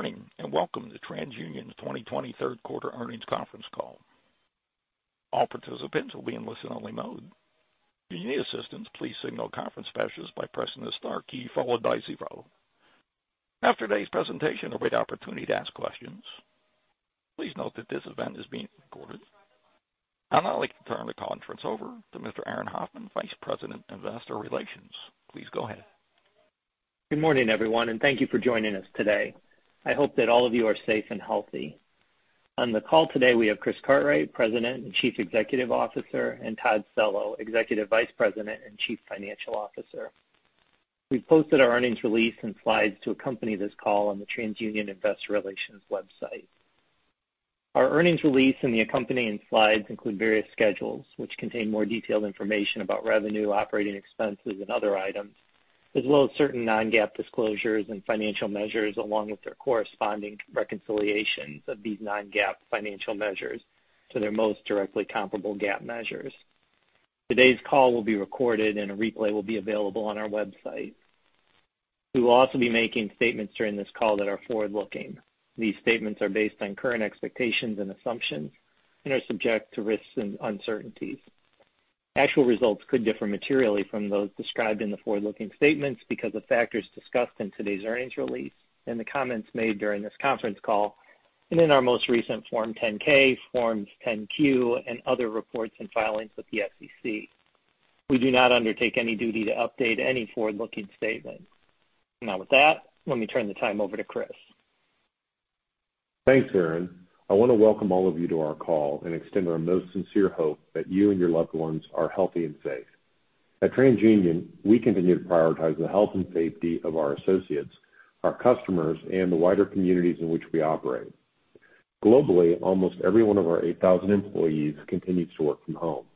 Good morning and welcome to TransUnion's 2020 Third Quarter Earnings Conference Call. All participants will be in listen-only mode. If you need assistance, please contact the conference specialist by pressing the star key followed by zero. After today's presentation, there'll be an opportunity to ask questions. Please note that this event is being recorded, and I'd like to turn the conference over to Mr. Aaron Hoffman, Vice President, Investor Relations. Please go ahead. Good morning, everyone, and thank you for joining us today. I hope that all of you are safe and healthy. On the call today, we have Chris Cartwright, President and Chief Executive Officer, and Todd Cello, Executive Vice President and Chief Financial Officer. We've posted our earnings release and slides to accompany this call on the TransUnion Investor Relations website. Our earnings release and the accompanying slides include various schedules which contain more detailed information about revenue, operating expenses, and other items, as well as certain non-GAAP disclosures and financial measures, along with their corresponding reconciliations of these non-GAAP financial measures to their most directly comparable GAAP measures. Today's call will be recorded, and a replay will be available on our website. We will also be making statements during this call that are forward-looking. These statements are based on current expectations and assumptions and are subject to risks and uncertainties. Actual results could differ materially from those described in the forward-looking statements because of factors discussed in today's earnings release and the comments made during this conference call and in our most recent Form 10-K, Forms 10-Q, and other reports and filings with the SEC. We do not undertake any duty to update any forward-looking statement. Now, with that, let me turn the time over to Chris. Thanks, Aaron. I want to welcome all of you to our call and extend our most sincere hope that you and your loved ones are healthy and safe. At TransUnion, we continue to prioritize the health and safety of our associates, our customers, and the wider communities in which we operate. Globally, almost every one of our 8,000 employees continues to work from home.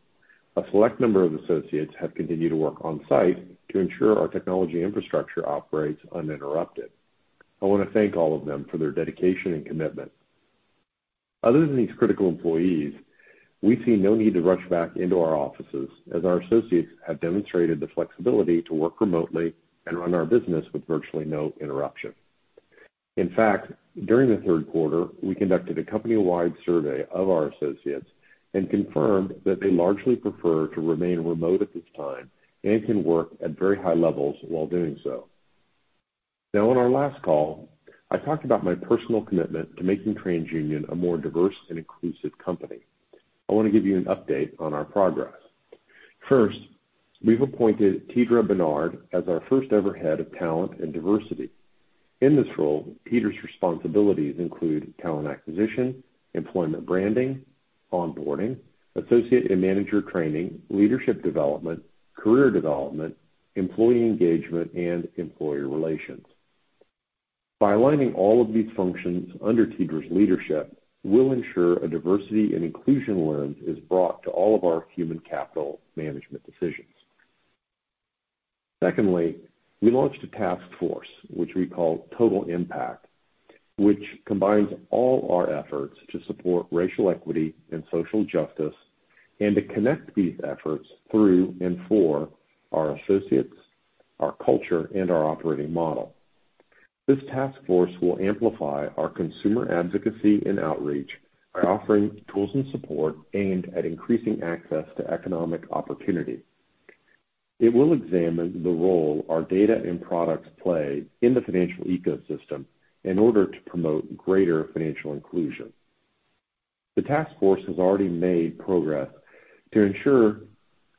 A select number of associates have continued to work on-site to ensure our technology infrastructure operates uninterrupted. I want to thank all of them for their dedication and commitment. Other than these critical employees, we see no need to rush back into our offices, as our associates have demonstrated the flexibility to work remotely and run our business with virtually no interruption. In fact, during the third quarter, we conducted a company-wide survey of our associates and confirmed that they largely prefer to remain remote at this time and can work at very high levels while doing so. Now, on our last call, I talked about my personal commitment to making TransUnion a more diverse and inclusive company. I want to give you an update on our progress. First, we've appointed Teedra Bernard as our first-ever Head of Talent and Diversity. In this role, Teedra's responsibilities include talent acquisition, employment branding, onboarding, associate and manager training, leadership development, career development, employee engagement, and employer relations. By aligning all of these functions under Teedra's leadership, we'll ensure a diversity and inclusion lens is brought to all of our human capital management decisions. Secondly, we launched a task force, which we call Total Impact, which combines all our efforts to support racial equity and social justice and to connect these efforts through and for our associates, our culture, and our operating model. This task force will amplify our consumer advocacy and outreach by offering tools and support aimed at increasing access to economic opportunity. It will examine the role our data and products play in the financial ecosystem in order to promote greater financial inclusion. The task force has already made progress to ensure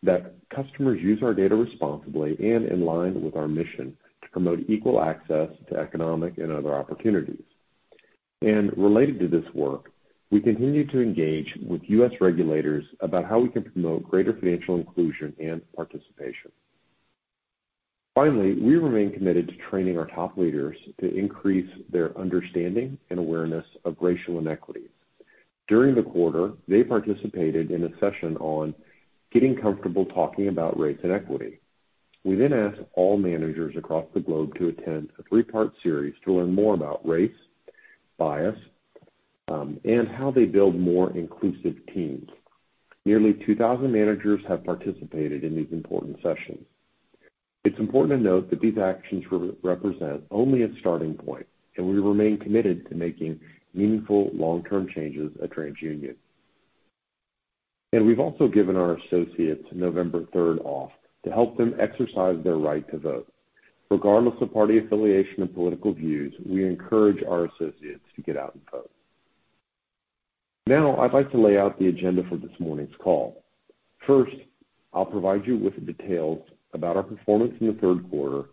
that customers use our data responsibly and in line with our mission to promote equal access to economic and other opportunities. And related to this work, we continue to engage with U.S. regulators about how we can promote greater financial inclusion and participation. Finally, we remain committed to training our top leaders to increase their understanding and awareness of racial inequities. During the quarter, they participated in a session on getting comfortable talking about race and equity. We then asked all managers across the globe to attend a three-part series to learn more about race, bias, and how they build more inclusive teams. Nearly 2,000 managers have participated in these important sessions. It's important to note that these actions represent only a starting point, and we remain committed to making meaningful long-term changes at TransUnion. And we've also given our associates November 3rd off to help them exercise their right to vote. Regardless of party affiliation and political views, we encourage our associates to get out and vote. Now, I'd like to lay out the agenda for this morning's call. First, I'll provide you with details about our performance in the third quarter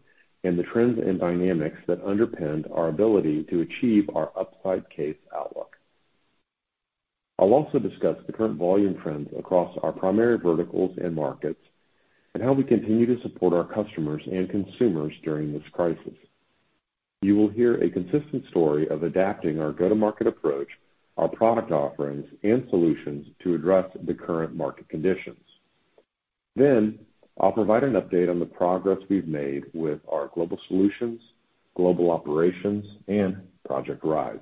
and the trends and dynamics that underpinned our ability to achieve our upside case outlook. I'll also discuss the current volume trends across our primary verticals and markets and how we continue to support our customers and consumers during this crisis. You will hear a consistent story of adapting our go-to-market approach, our product offerings, and solutions to address the current market conditions. Then, I'll provide an update on the progress we've made with our Global Solutions, Global Operations, and Project Rise.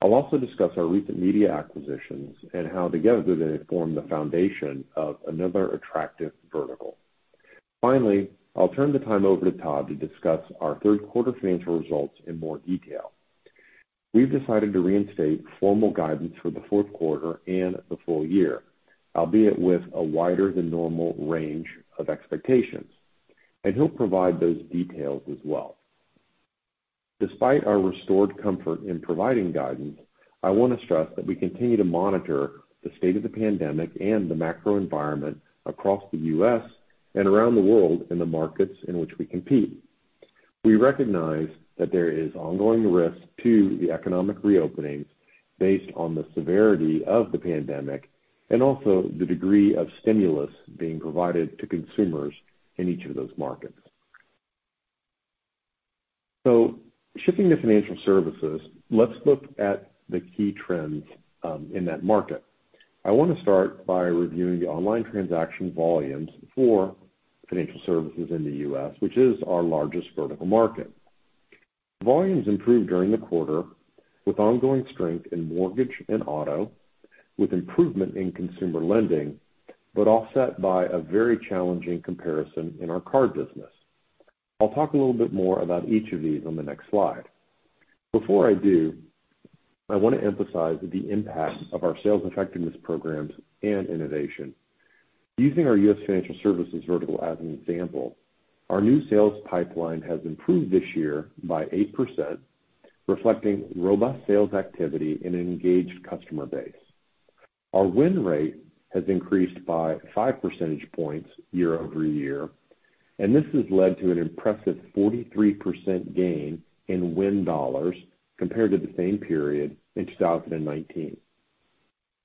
I'll also discuss our recent media acquisitions and how together they form the foundation of another attractive vertical. Finally, I'll turn the time over to Todd to discuss our third quarter financial results in more detail. We've decided to reinstate formal guidance for the fourth quarter and the full year, albeit with a wider-than-normal range of expectations, and he'll provide those details as well. Despite our restored comfort in providing guidance, I want to stress that we continue to monitor the state of the pandemic and the macro environment across the U.S. and around the world in the markets in which we compete. We recognize that there is ongoing risk to the economic reopenings based on the severity of the pandemic and also the degree of stimulus being provided to consumers in each of those markets. So, shifting to Financial Services, let's look at the key trends in that market. I want to start by reviewing the online transaction volumes for Financial Services in the U.S., which is our largest vertical market. Volumes improved during the quarter with ongoing strength in Mortgage and Auto, with improvement in Consumer Lending, but offset by a very challenging comparison in our Card business. I'll talk a little bit more about each of these on the next slide. Before I do, I want to emphasize the impact of our sales effectiveness programs and innovation. Using our U.S. Financial Services vertical as an example, our new sales pipeline has improved this year by 8%, reflecting robust sales activity and an engaged customer base. Our win rate has increased by 5 percentage points year-over-year, and this has led to an impressive 43% gain in win dollars compared to the same period in 2019.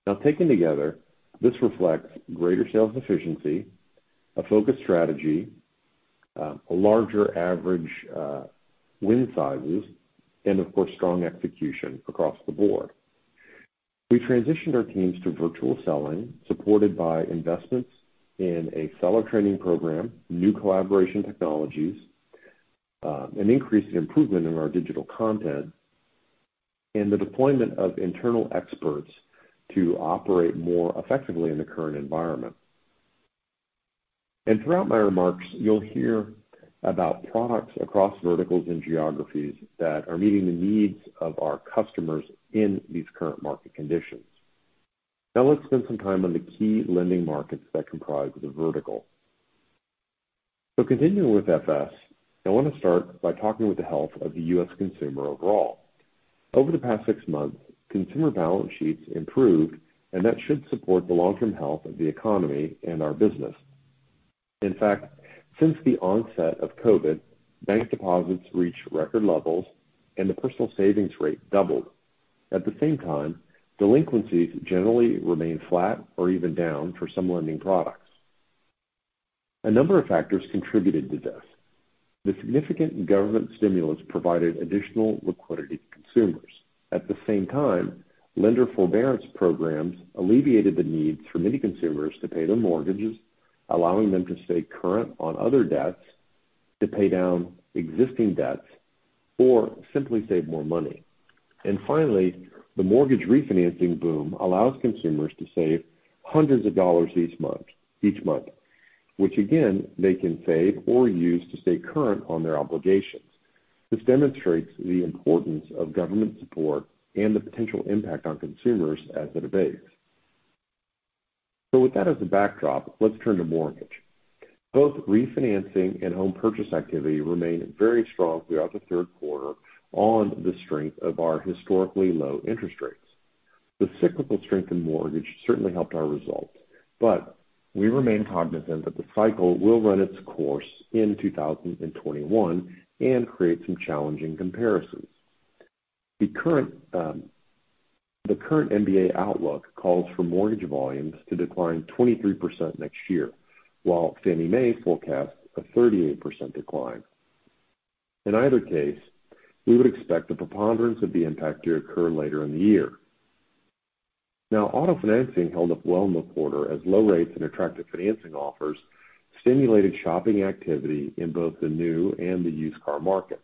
Now, taken together, this reflects greater sales efficiency, a focused strategy, a larger average win sizes, and, of course, strong execution across the board. We transitioned our teams to virtual selling, supported by investments in a seller training program, new collaboration technologies, an increased improvement in our digital content, and the deployment of internal experts to operate more effectively in the current environment, and throughout my remarks, you'll hear about products across verticals and geographies that are meeting the needs of our customers in these current market conditions. Now, let's spend some time on the key lending markets that comprise the vertical, so continuing with FS, I want to start by talking about the health of the U.S. consumer overall. Over the past six months, consumer balance sheets improved, and that should support the long-term health of the economy and our business. In fact, since the onset of COVID, bank deposits reached record levels, and the personal savings rate doubled. At the same time, delinquencies generally remain flat or even down for some lending products. A number of factors contributed to this. The significant government stimulus provided additional liquidity to consumers. At the same time, lender forbearance programs alleviated the needs for many consumers to pay their mortgages, allowing them to stay current on other debts, to pay down existing debts, or simply save more money. And finally, the mortgage refinancing boom allows consumers to save hundreds of dollars each month, which, again, they can save or use to stay current on their obligations. This demonstrates the importance of government support and the potential impact on consumers as it abates. So, with that as a backdrop, let's turn to mortgage. Both refinancing and home purchase activity remained very strong throughout the third quarter on the strength of our historically low interest rates. The cyclical strength in mortgage certainly helped our results, but we remain cognizant that the cycle will run its course in 2021 and create some challenging comparisons. The current MBA outlook calls for mortgage volumes to decline 23% next year, while Fannie Mae forecasts a 38% decline. In either case, we would expect the preponderance of the impact to occur later in the year. Now, auto financing held up well in the quarter as low rates and attractive financing offers stimulated shopping activity in both the new and the used car market.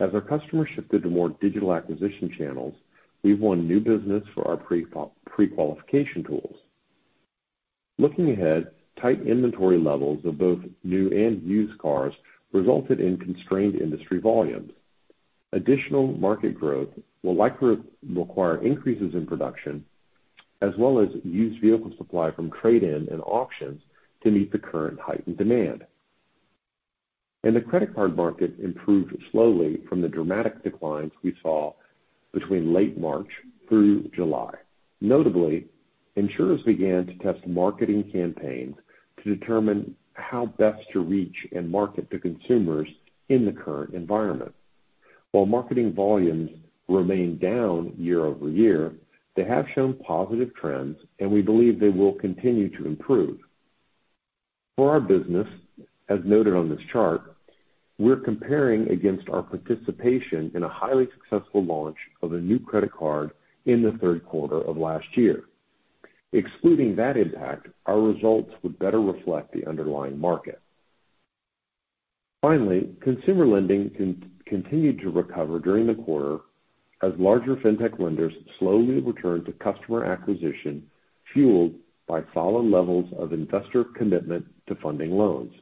As our customers shifted to more digital acquisition channels, we've won new business for our pre-qualification tools. Looking ahead, tight inventory levels of both new and used cars resulted in constrained industry volumes. Additional market growth will likely require increases in production, as well as used vehicle supply from trade-in and auctions to meet the current heightened demand. The credit card market improved slowly from the dramatic declines we saw between late March through July. Notably, insurers began to test marketing campaigns to determine how best to reach and market to consumers in the current environment. While marketing volumes remain down year-over-year, they have shown positive trends, and we believe they will continue to improve. For our business, as noted on this chart, we're comparing against our participation in a highly successful launch of a new credit card in the third quarter of last year. Excluding that impact, our results would better reflect the underlying market. Finally, Consumer Lending continued to recover during the quarter as larger FinTech lenders slowly returned to customer acquisition, fueled by solid levels of investor commitment to funding loans.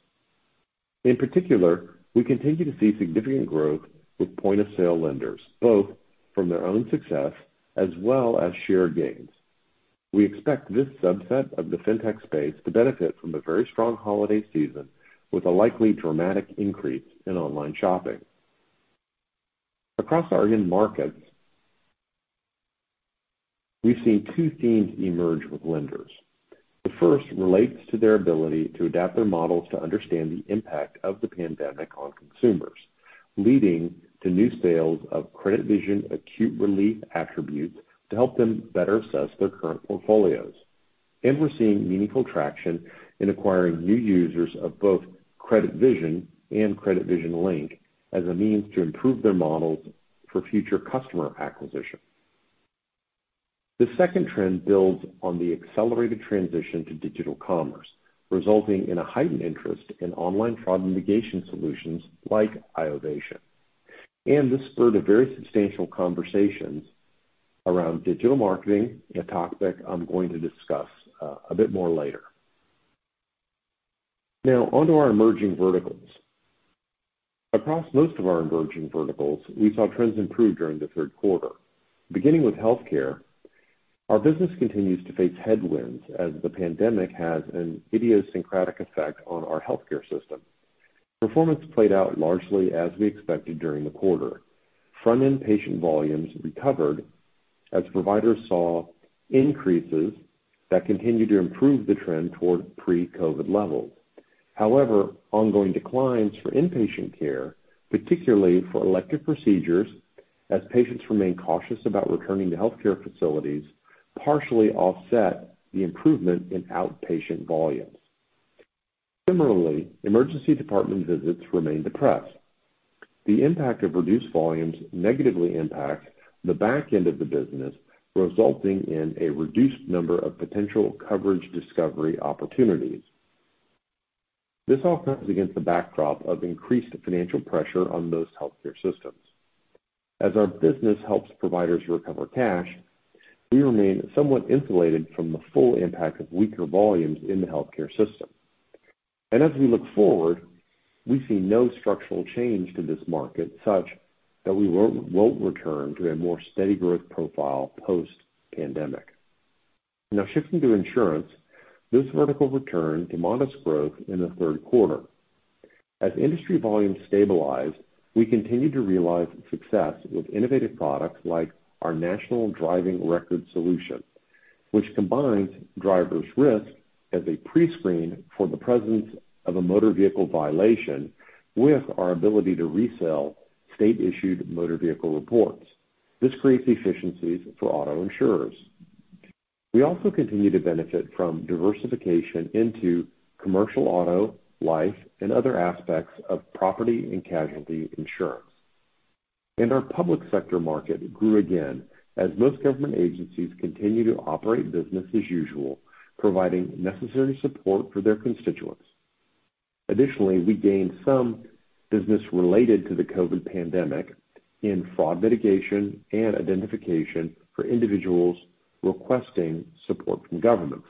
In particular, we continue to see significant growth with point-of-sale lenders, both from their own success as well as share gains. We expect this subset of the FinTech space to benefit from the very strong holiday season, with a likely dramatic increase in online shopping. Across our end markets, we've seen two themes emerge with lenders. The first relates to their ability to adapt their models to understand the impact of the pandemic on consumers, leading to new sales of CreditVision Acute Relief attributes to help them better assess their current portfolios, and we're seeing meaningful traction in acquiring new users of both CreditVision and CreditVision Link as a means to improve their models for future customer acquisition. The second trend builds on the accelerated transition to digital commerce, resulting in a heightened interest in online fraud mitigation solutions like iovation, and this spurred a very substantial conversation around digital marketing, a topic I'm going to discuss a bit more later. Now, onto our Emerging Verticals. Across most of our Emerging Verticals, we saw trends improve during the third quarter. Beginning with Healthcare, our business continues to face headwinds as the pandemic has an idiosyncratic effect on our healthcare system. Performance played out largely as we expected during the quarter. Front-end patient volumes recovered as providers saw increases that continued to improve the trend toward pre-COVID levels. However, ongoing declines for inpatient care, particularly for elective procedures, as patients remain cautious about returning to healthcare facilities, partially offset the improvement in outpatient volumes. Similarly, emergency department visits remain depressed. The impact of reduced volumes negatively impacts the back end of the business, resulting in a reduced number of potential coverage discovery opportunities. This all comes against the backdrop of increased financial pressure on those healthcare systems. As our business helps providers recover cash, we remain somewhat insulated from the full impact of weaker volumes in the healthcare system, and as we look forward, we see no structural change to this market, such that we won't return to a more steady growth profile post-pandemic. Now, shifting to Insurance, this vertical returned to modest growth in the third quarter. As industry volumes stabilized, we continue to realize success with innovative products like our National Driving Record solution, which combines DriverRisk as a pre-screen for the presence of a motor vehicle violation with our ability to resell state-issued motor vehicle reports. This creates efficiencies for auto insurers. We also continue to benefit from diversification into commercial auto, life, and other aspects of property and casualty insurance. Our Public Sector market grew again as most government agencies continue to operate business as usual, providing necessary support for their constituents. Additionally, we gained some business related to the COVID pandemic in fraud mitigation and identification for individuals requesting support from governments.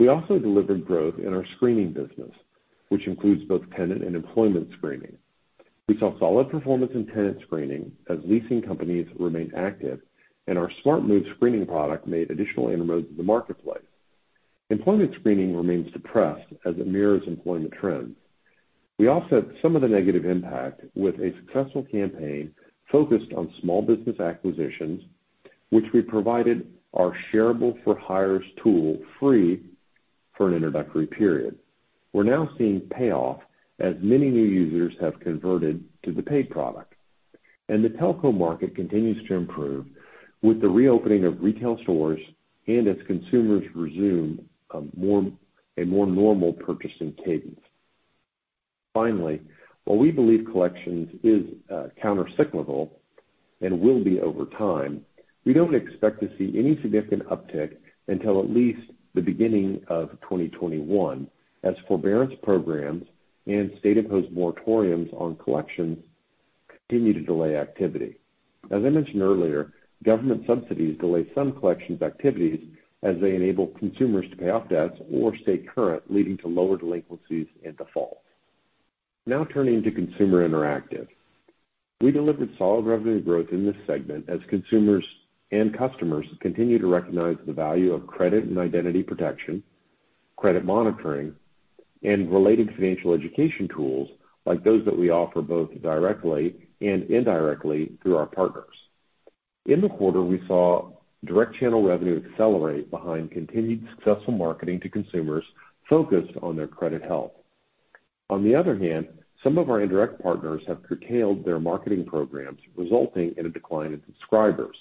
We also delivered growth in our screening business, which includes both tenant and employment screening. We saw solid performance in tenant screening as leasing companies remained active, and our SmartMove screening product made additional inroads in the marketplace. Employment screening remains depressed as it mirrors employment trends. We offset some of the negative impact with a successful campaign focused on small business acquisitions, which we provided our ShareAble for Hires tool free for an introductory period. We're now seeing payoff as many new users have converted to the paid product. And the Telco market continues to improve with the reopening of retail stores and as consumers resume a more normal purchasing cadence. Finally, while we believe Collections is countercyclical and will be over time, we don't expect to see any significant uptick until at least the beginning of 2021, as forbearance programs and state-imposed moratoriums on Collections continue to delay activity. As I mentioned earlier, government subsidies delay some Collections activities as they enable consumers to pay off debts or stay current, leading to lower delinquencies and defaults. Now turning to Consumer Interactive. We delivered solid revenue growth in this segment as consumers and customers continue to recognize the value of credit and identity protection, credit monitoring, and related financial education tools like those that we offer both directly and indirectly through our partners. In the quarter, we saw direct channel revenue accelerate behind continued successful marketing to consumers focused on their credit health. On the other hand, some of our indirect partners have curtailed their marketing programs, resulting in a decline in subscribers.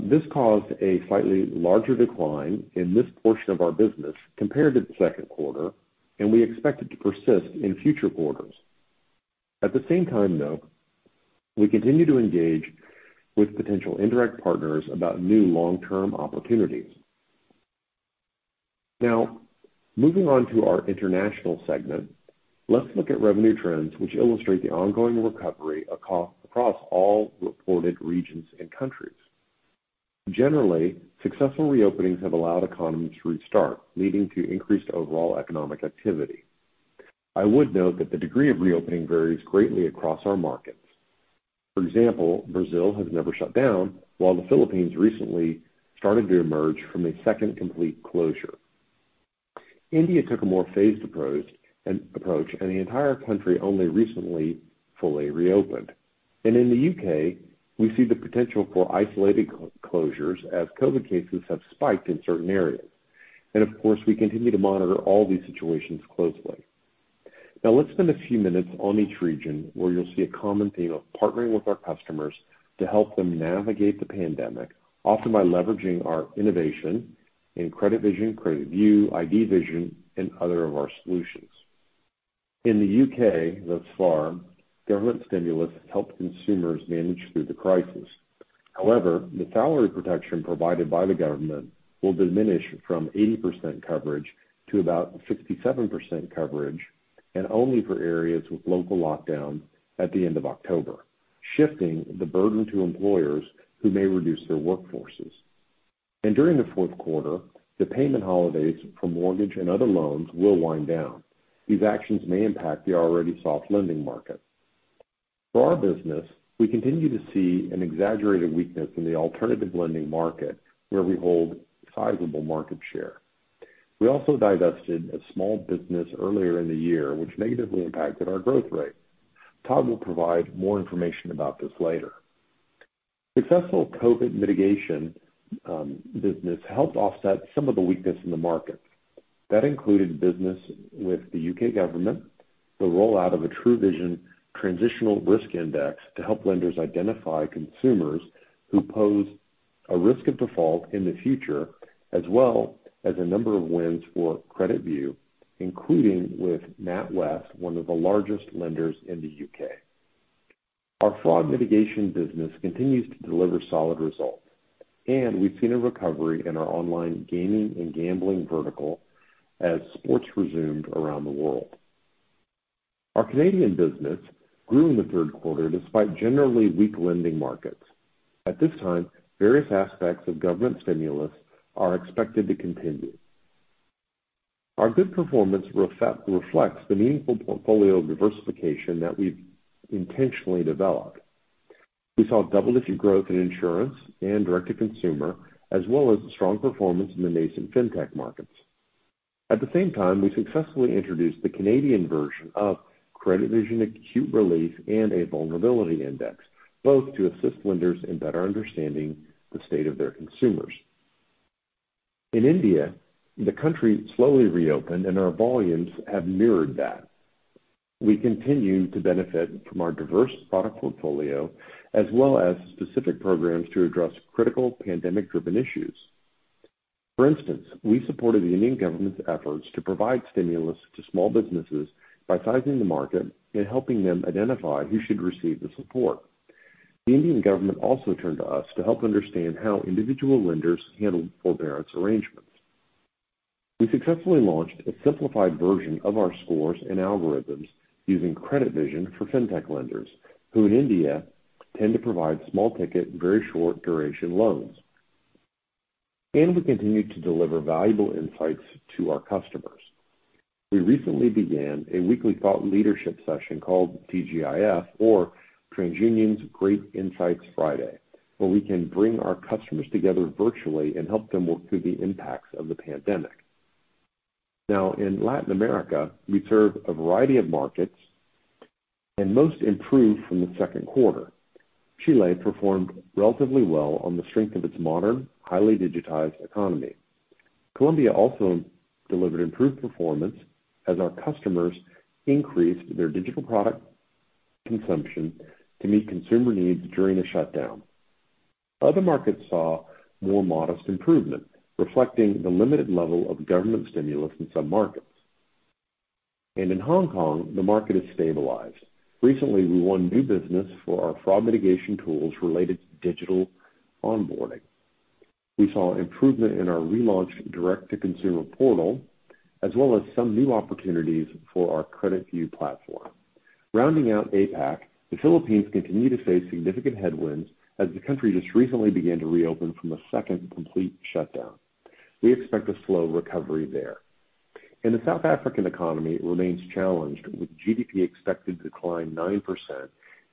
This caused a slightly larger decline in this portion of our business compared to the second quarter, and we expect it to persist in future quarters. At the same time, though, we continue to engage with potential indirect partners about new long-term opportunities. Now, moving on to our International segment, let's look at revenue trends, which illustrate the ongoing recovery across all reported regions and countries. Generally, successful reopenings have allowed economies to restart, leading to increased overall economic activity. I would note that the degree of reopening varies greatly across our markets. For example, Brazil has never shut down, while the Philippines recently started to emerge from a second complete closure. India took a more phased approach, and the entire country only recently fully reopened. And in the U.K., we see the potential for isolated closures as COVID cases have spiked in certain areas. And of course, we continue to monitor all these situations closely. Now, let's spend a few minutes on each region where you'll see a common theme of partnering with our customers to help them navigate the pandemic, often by leveraging our innovation in CreditVision, CreditView, IDVision, and other of our solutions. In the U.K., thus far, government stimulus helped consumers manage through the crisis. However, the salary protection provided by the government will diminish from 80% coverage to about 57% coverage, and only for areas with local lockdowns at the end of October, shifting the burden to employers who may reduce their workforces, and during the fourth quarter, the payment holidays for mortgage and other loans will wind down. These actions may impact the already soft lending market. For our business, we continue to see an exaggerated weakness in the alternative lending market, where we hold sizable market share. We also divested a small business earlier in the year, which negatively impacted our growth rate. Todd will provide more information about this later. Successful COVID mitigation business helped offset some of the weakness in the market. That included business with the U.K. government, the rollout of a TrueVision Transitional Risk Index to help lenders identify consumers who pose a risk of default in the future, as well as a number of wins for CreditView, including with NatWest, one of the largest lenders in the U.K. Our fraud mitigation business continues to deliver solid results, and we've seen a recovery in our online gaming and gambling vertical as sports resumed around the world. Our Canadian business grew in the third quarter despite generally weak lending markets. At this time, various aspects of government stimulus are expected to continue. Our good performance reflects the meaningful portfolio diversification that we've intentionally developed. We saw double-digit growth in Insurance and direct-to-consumer, as well as strong performance in the nascent FinTech markets. At the same time, we successfully introduced the Canadian version of CreditVision Acute Relief and a Vulnerability Index, both to assist lenders in better understanding the state of their consumers. In India, the country slowly reopened, and our volumes have mirrored that. We continue to benefit from our diverse product portfolio, as well as specific programs to address critical pandemic-driven issues. For instance, we supported the Indian government's efforts to provide stimulus to small businesses by sizing the market and helping them identify who should receive the support. The Indian government also turned to us to help understand how individual lenders handle forbearance arrangements. We successfully launched a simplified version of our scores and algorithms using CreditVision for FinTech lenders, who in India tend to provide small-ticket, very short-duration loans, and we continue to deliver valuable insights to our customers. We recently began a weekly thought leadership session called TGIF, or TransUnion's Great Insights Friday, where we can bring our customers together virtually and help them work through the impacts of the pandemic. Now, in Latin America, we serve a variety of markets, and most improved from the second quarter. Chile performed relatively well on the strength of its modern, highly digitized economy. Colombia also delivered improved performance as our customers increased their digital product consumption to meet consumer needs during a shutdown. Other markets saw more modest improvement, reflecting the limited level of government stimulus in some markets, and in Hong Kong, the market has stabilized. Recently, we won new business for our fraud mitigation tools related to digital onboarding. We saw improvement in our relaunched direct-to-consumer portal, as well as some new opportunities for our CreditView platform. Rounding out APAC, the Philippines continued to face significant headwinds as the country just recently began to reopen from a second complete shutdown. We expect a slow recovery there. And the South African economy remains challenged, with GDP expected to decline 9%,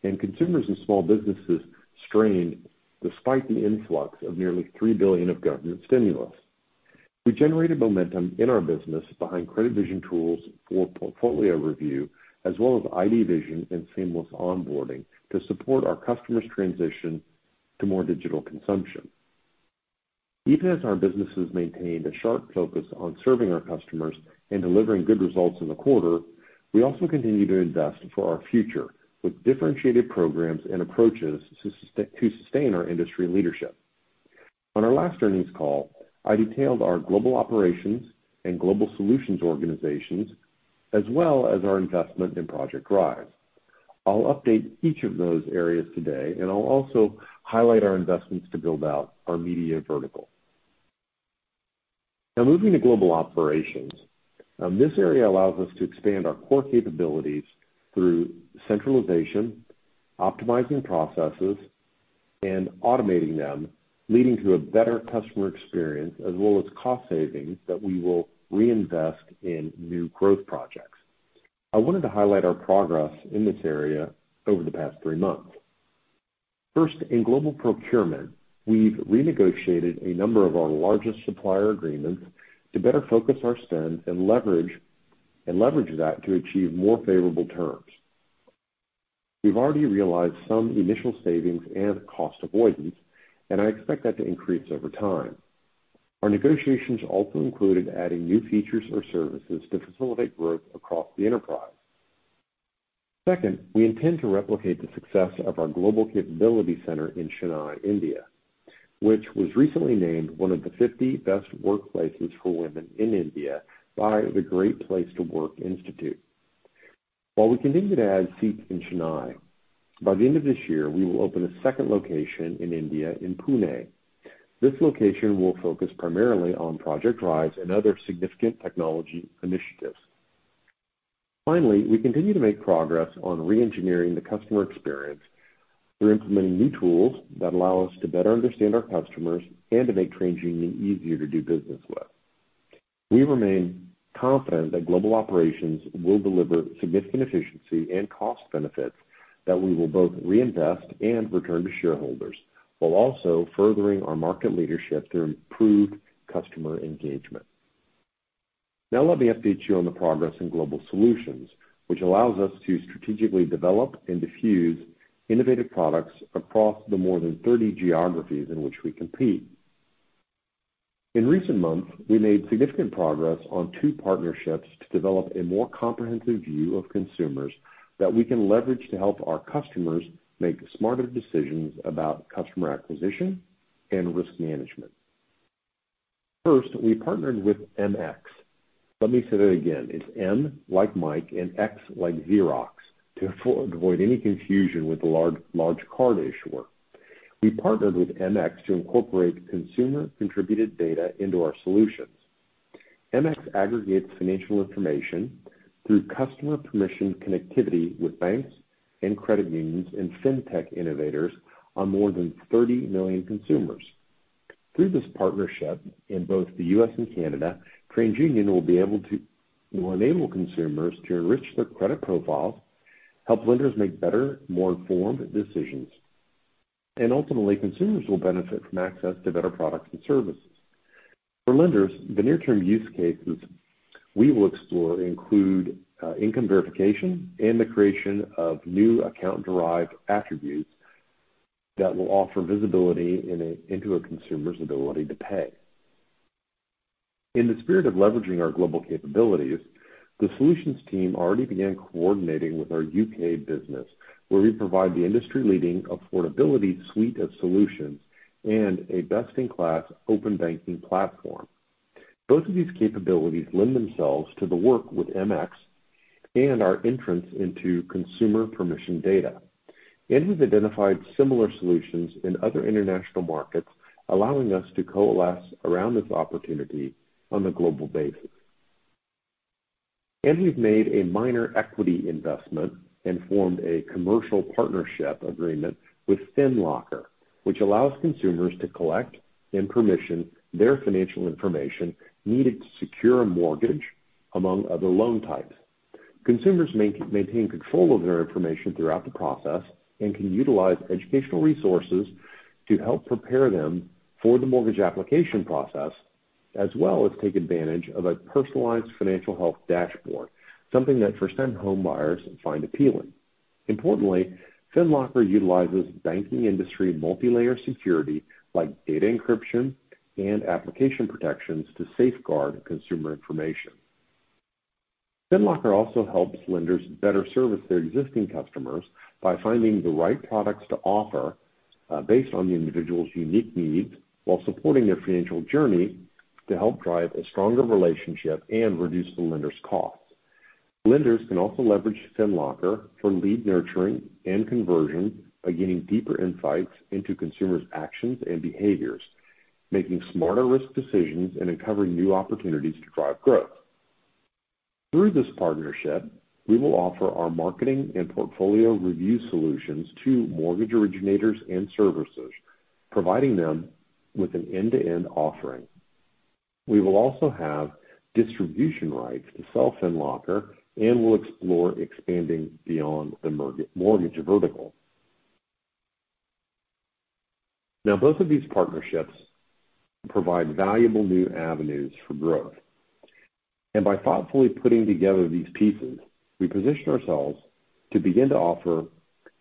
and consumers and small businesses strained despite the influx of nearly $3 billion of government stimulus. We generated momentum in our business behind CreditVision tools for portfolio review, as well as IDVision and seamless onboarding to support our customers' transition to more digital consumption. Even as our businesses maintained a sharp focus on serving our customers and delivering good results in the quarter, we also continue to invest for our future with differentiated programs and approaches to sustain our industry leadership. On our last earnings call, I detailed our Global Operations and Global Solutions organizations, as well as our investment in Project Rise. I'll update each of those areas today, and I'll also highlight our investments to build out our Media vertical. Now, moving to Global Operations, this area allows us to expand our core capabilities through centralization, optimizing processes, and automating them, leading to a better customer experience, as well as cost savings that we will reinvest in new growth projects. I wanted to highlight our progress in this area over the past three months. First, in global procurement, we've renegotiated a number of our largest supplier agreements to better focus our spend and leverage that to achieve more favorable terms. We've already realized some initial savings and cost avoidance, and I expect that to increase over time. Our negotiations also included adding new features or services to facilitate growth across the enterprise. Second, we intend to replicate the success of our global capability center in Chennai, India, which was recently named one of the 50 best workplaces for women in India by the Great Place to Work Institute. While we continue to add seats in Chennai, by the end of this year, we will open a second location in India in Pune. This location will focus primarily on Project Rise and other significant technology initiatives. Finally, we continue to make progress on re-engineering the customer experience through implementing new tools that allow us to better understand our customers and to make TransUnion easier to do business with. We remain confident that Global Operations will deliver significant efficiency and cost benefits that we will both reinvest and return to shareholders, while also furthering our market leadership through improved customer engagement. Now, let me update you on the progress in Global Solutions, which allows us to strategically develop and diffuse innovative products across the more than 30 geographies in which we compete. In recent months, we made significant progress on two partnerships to develop a more comprehensive view of consumers that we can leverage to help our customers make smarter decisions about customer acquisition and risk management. First, we partnered with MX. Let me say that again. It's M like Mike and X like Xerox to avoid any confusion with the large card issuer. We partnered with MX to incorporate consumer-contributed data into our solutions. MX aggregates financial information through customer permission connectivity with banks and credit unions and FinTech innovators on more than 30 million consumers. Through this partnership in both the U.S. and Canada, TransUnion will be able to enable consumers to enrich their credit profiles, help lenders make better, more informed decisions, and ultimately, consumers will benefit from access to better products and services. For lenders, the near-term use cases we will explore include income verification and the creation of new account-derived attributes that will offer visibility into a consumer's ability to pay. In the spirit of leveraging our global capabilities, the solutions team already began coordinating with our U.K. business, where we provide the industry-leading Affordability Suite of solutions and a best-in-class open banking platform. Both of these capabilities lend themselves to the work with MX and our entrance into consumer-permissioned data. And we've identified similar solutions in other International markets, allowing us to coalesce around this opportunity on a global basis. We've made a minor equity investment and formed a commercial partnership agreement with FinLocker, which allows consumers to collect and permission their financial information needed to secure a mortgage, among other loan types. Consumers maintain control of their information throughout the process and can utilize educational resources to help prepare them for the mortgage application process, as well as take advantage of a personalized financial health dashboard, something that first-time homebuyers find appealing. Importantly, FinLocker utilizes banking industry multi-layer security like data encryption and application protections to safeguard consumer information. FinLocker also helps lenders better service their existing customers by finding the right products to offer based on the individual's unique needs while supporting their financial journey to help drive a stronger relationship and reduce the lender's costs. Lenders can also leverage FinLocker for lead nurturing and conversion, gaining deeper insights into consumers' actions and behaviors, making smarter risk decisions and uncovering new opportunities to drive growth. Through this partnership, we will offer our marketing and portfolio review solutions to mortgage originators and servicers, providing them with an end-to-end offering. We will also have distribution rights to sell FinLocker and will explore expanding beyond the Mortgage vertical. Now, both of these partnerships provide valuable new avenues for growth, and by thoughtfully putting together these pieces, we position ourselves to begin to offer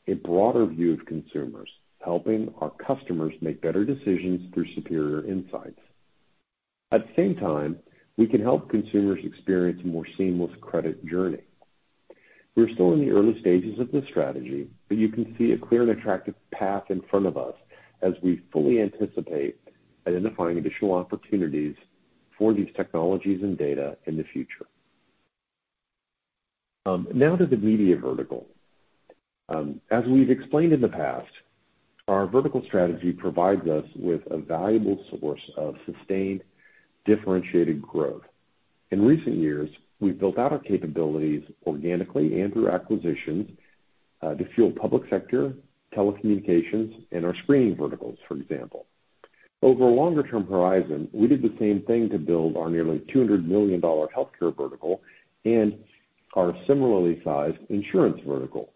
a broader view of consumers, helping our customers make better decisions through superior insights. At the same time, we can help consumers experience a more seamless credit journey. We're still in the early stages of this strategy, but you can see a clear and attractive path in front of us as we fully anticipate identifying additional opportunities for these technologies and data in the future. Now to the Media vertical. As we've explained in the past, our vertical strategy provides us with a valuable source of sustained differentiated growth. In recent years, we've built out our capabilities organically and through acquisitions to fuel Public Sector, telecommunications, and our screening verticals, for example. Over a longer-term horizon, we did the same thing to build our nearly $200 million Healthcare vertical and our similarly sized Insurance vertical.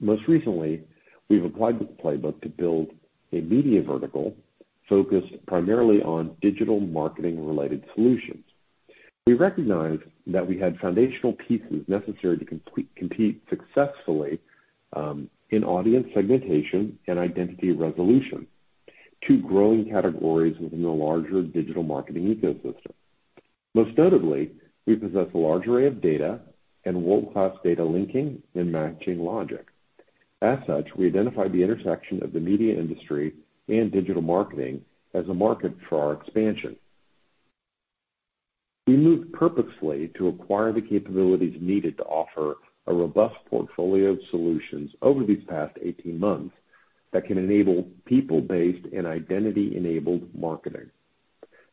Most recently, we've applied this playbook to build a Media vertical focused primarily on digital marketing-related solutions. We recognize that we had foundational pieces necessary to compete successfully in audience segmentation and identity resolution to growing categories within the larger digital marketing ecosystem. Most notably, we possess a large array of data and world-class data linking and matching logic. As such, we identified the intersection of the media industry and digital marketing as a market for our expansion. We moved purposefully to acquire the capabilities needed to offer a robust portfolio of solutions over these past 18 months that can enable people-based and identity-enabled marketing.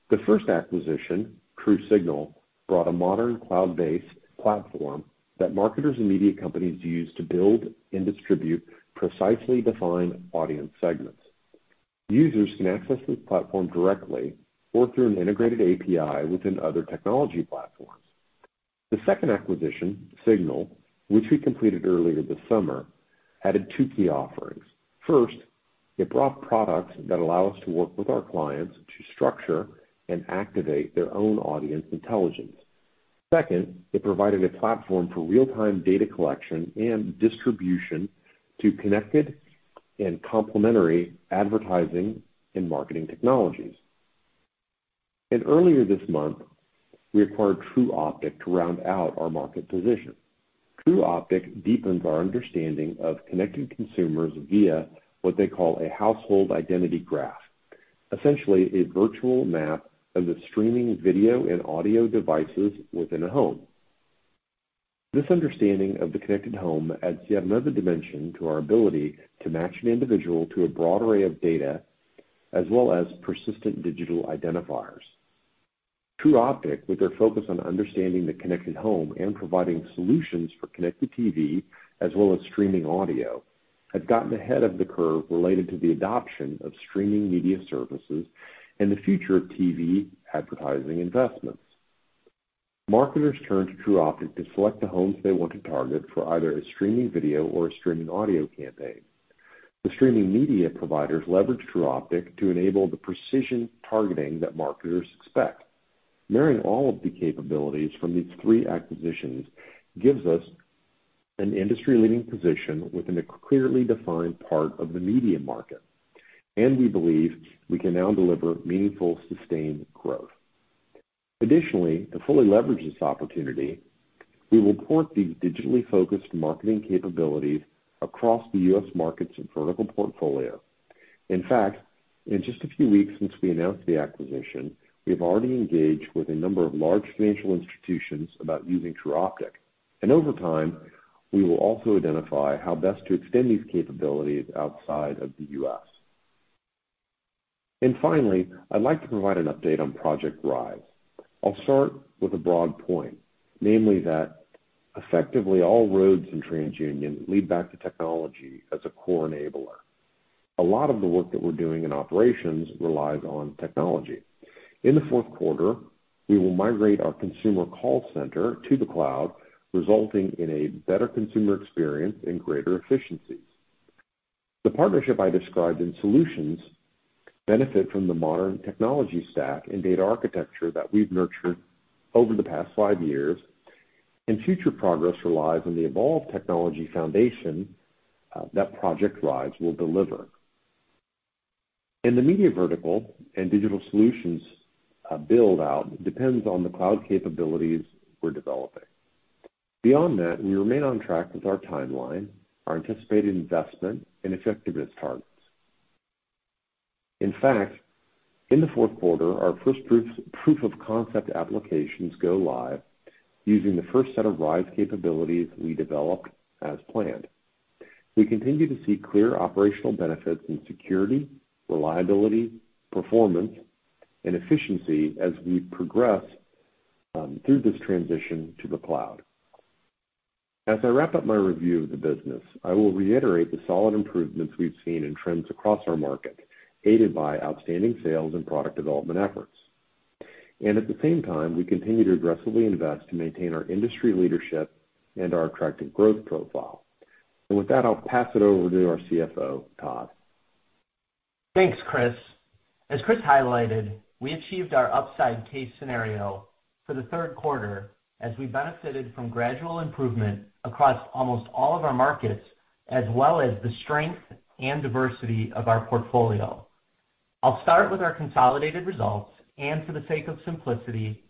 The first acquisition, TruSignal, brought a modern cloud-based platform that marketers and media companies use to build and distribute precisely defined audience segments. Users can access the platform directly or through an integrated API within other technology platforms. The second acquisition, Signal, which we completed earlier this summer, added two key offerings. First, it brought products that allow us to work with our clients to structure and activate their own audience intelligence. Second, it provided a platform for real-time data collection and distribution to connected and complementary advertising and marketing technologies, and earlier this month, we acquired Tru Optik to round out our market position. Tru Optik deepens our understanding of connecting consumers via what they call a household identity graph, essentially a virtual map of the streaming video and audio devices within a home. This understanding of the connected home adds yet another dimension to our ability to match an individual to a broad array of data, as well as persistent digital identifiers. Tru Optik, with their focus on understanding the connected home and providing solutions for Connected TV, as well as streaming audio, had gotten ahead of the curve related to the adoption of streaming media services and the future of TV advertising investments. Marketers turned to Tru Optik to select the homes they want to target for either a streaming video or a streaming audio campaign. The streaming media providers leveraged Tru Optik to enable the precision targeting that marketers expect. Marrying all of the capabilities from these three acquisitions gives us an industry-leading position within a clearly defined part of the media market, and we believe we can now deliver meaningful sustained growth. Additionally, to fully leverage this opportunity, we will port these digitally focused marketing capabilities across the U.S. Markets and vertical portfolio. In fact, in just a few weeks since we announced the acquisition, we have already engaged with a number of large financial institutions about using Tru Optik, and over time, we will also identify how best to extend these capabilities outside of the U.S., and finally, I'd like to provide an update on Project Rise. I'll start with a broad point, namely that effectively all roads in TransUnion lead back to technology as a core enabler. A lot of the work that we're doing in operations relies on technology. In the fourth quarter, we will migrate our consumer call center to the cloud, resulting in a better consumer experience and greater efficiencies. The partnership I described in solutions benefits from the modern technology stack and data architecture that we've nurtured over the past five years, and future progress relies on the evolved technology foundation that Project Rise will deliver. The Media vertical and digital solutions build-out depends on the cloud capabilities we're developing. Beyond that, we remain on track with our timeline, our anticipated investment, and effectiveness targets. In fact, in the fourth quarter, our first proof of concept applications go live using the first set of Rise capabilities we developed as planned. We continue to see clear operational benefits in security, reliability, performance, and efficiency as we progress through this transition to the cloud. As I wrap up my review of the business, I will reiterate the solid improvements we've seen in trends across our market, aided by outstanding sales and product development efforts. And at the same time, we continue to aggressively invest to maintain our industry leadership and our attractive growth profile. And with that, I'll pass it over to our CFO, Todd. Thanks, Chris. As Chris highlighted, we achieved our upside case scenario for the third quarter as we benefited from gradual improvement across almost all of our markets, as well as the strength and diversity of our portfolio. I'll start with our consolidated results, and for the sake of simplicity,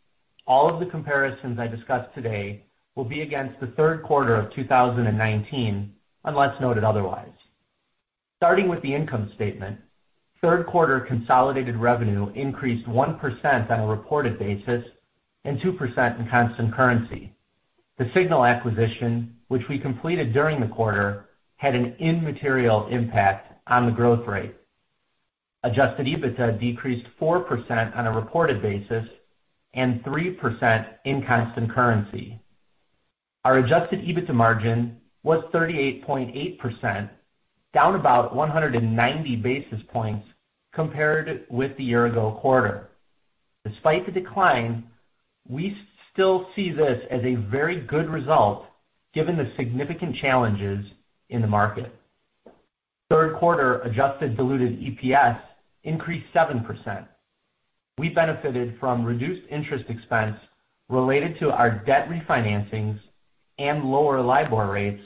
all of the comparisons I discussed today will be against the third quarter of 2019, unless noted otherwise. Starting with the income statement, third quarter consolidated revenue increased 1% on a reported basis and 2% in constant currency. The Signal acquisition, which we completed during the quarter, had an immaterial impact on the growth rate. Adjusted EBITDA decreased 4% on a reported basis and 3% in constant currency. Our adjusted EBITDA margin was 38.8%, down about 190 basis points compared with the year-ago quarter. Despite the decline, we still see this as a very good result given the significant challenges in the market. Third quarter adjusted diluted EPS increased 7%. We benefited from reduced interest expense related to our debt refinancings and lower LIBOR rates,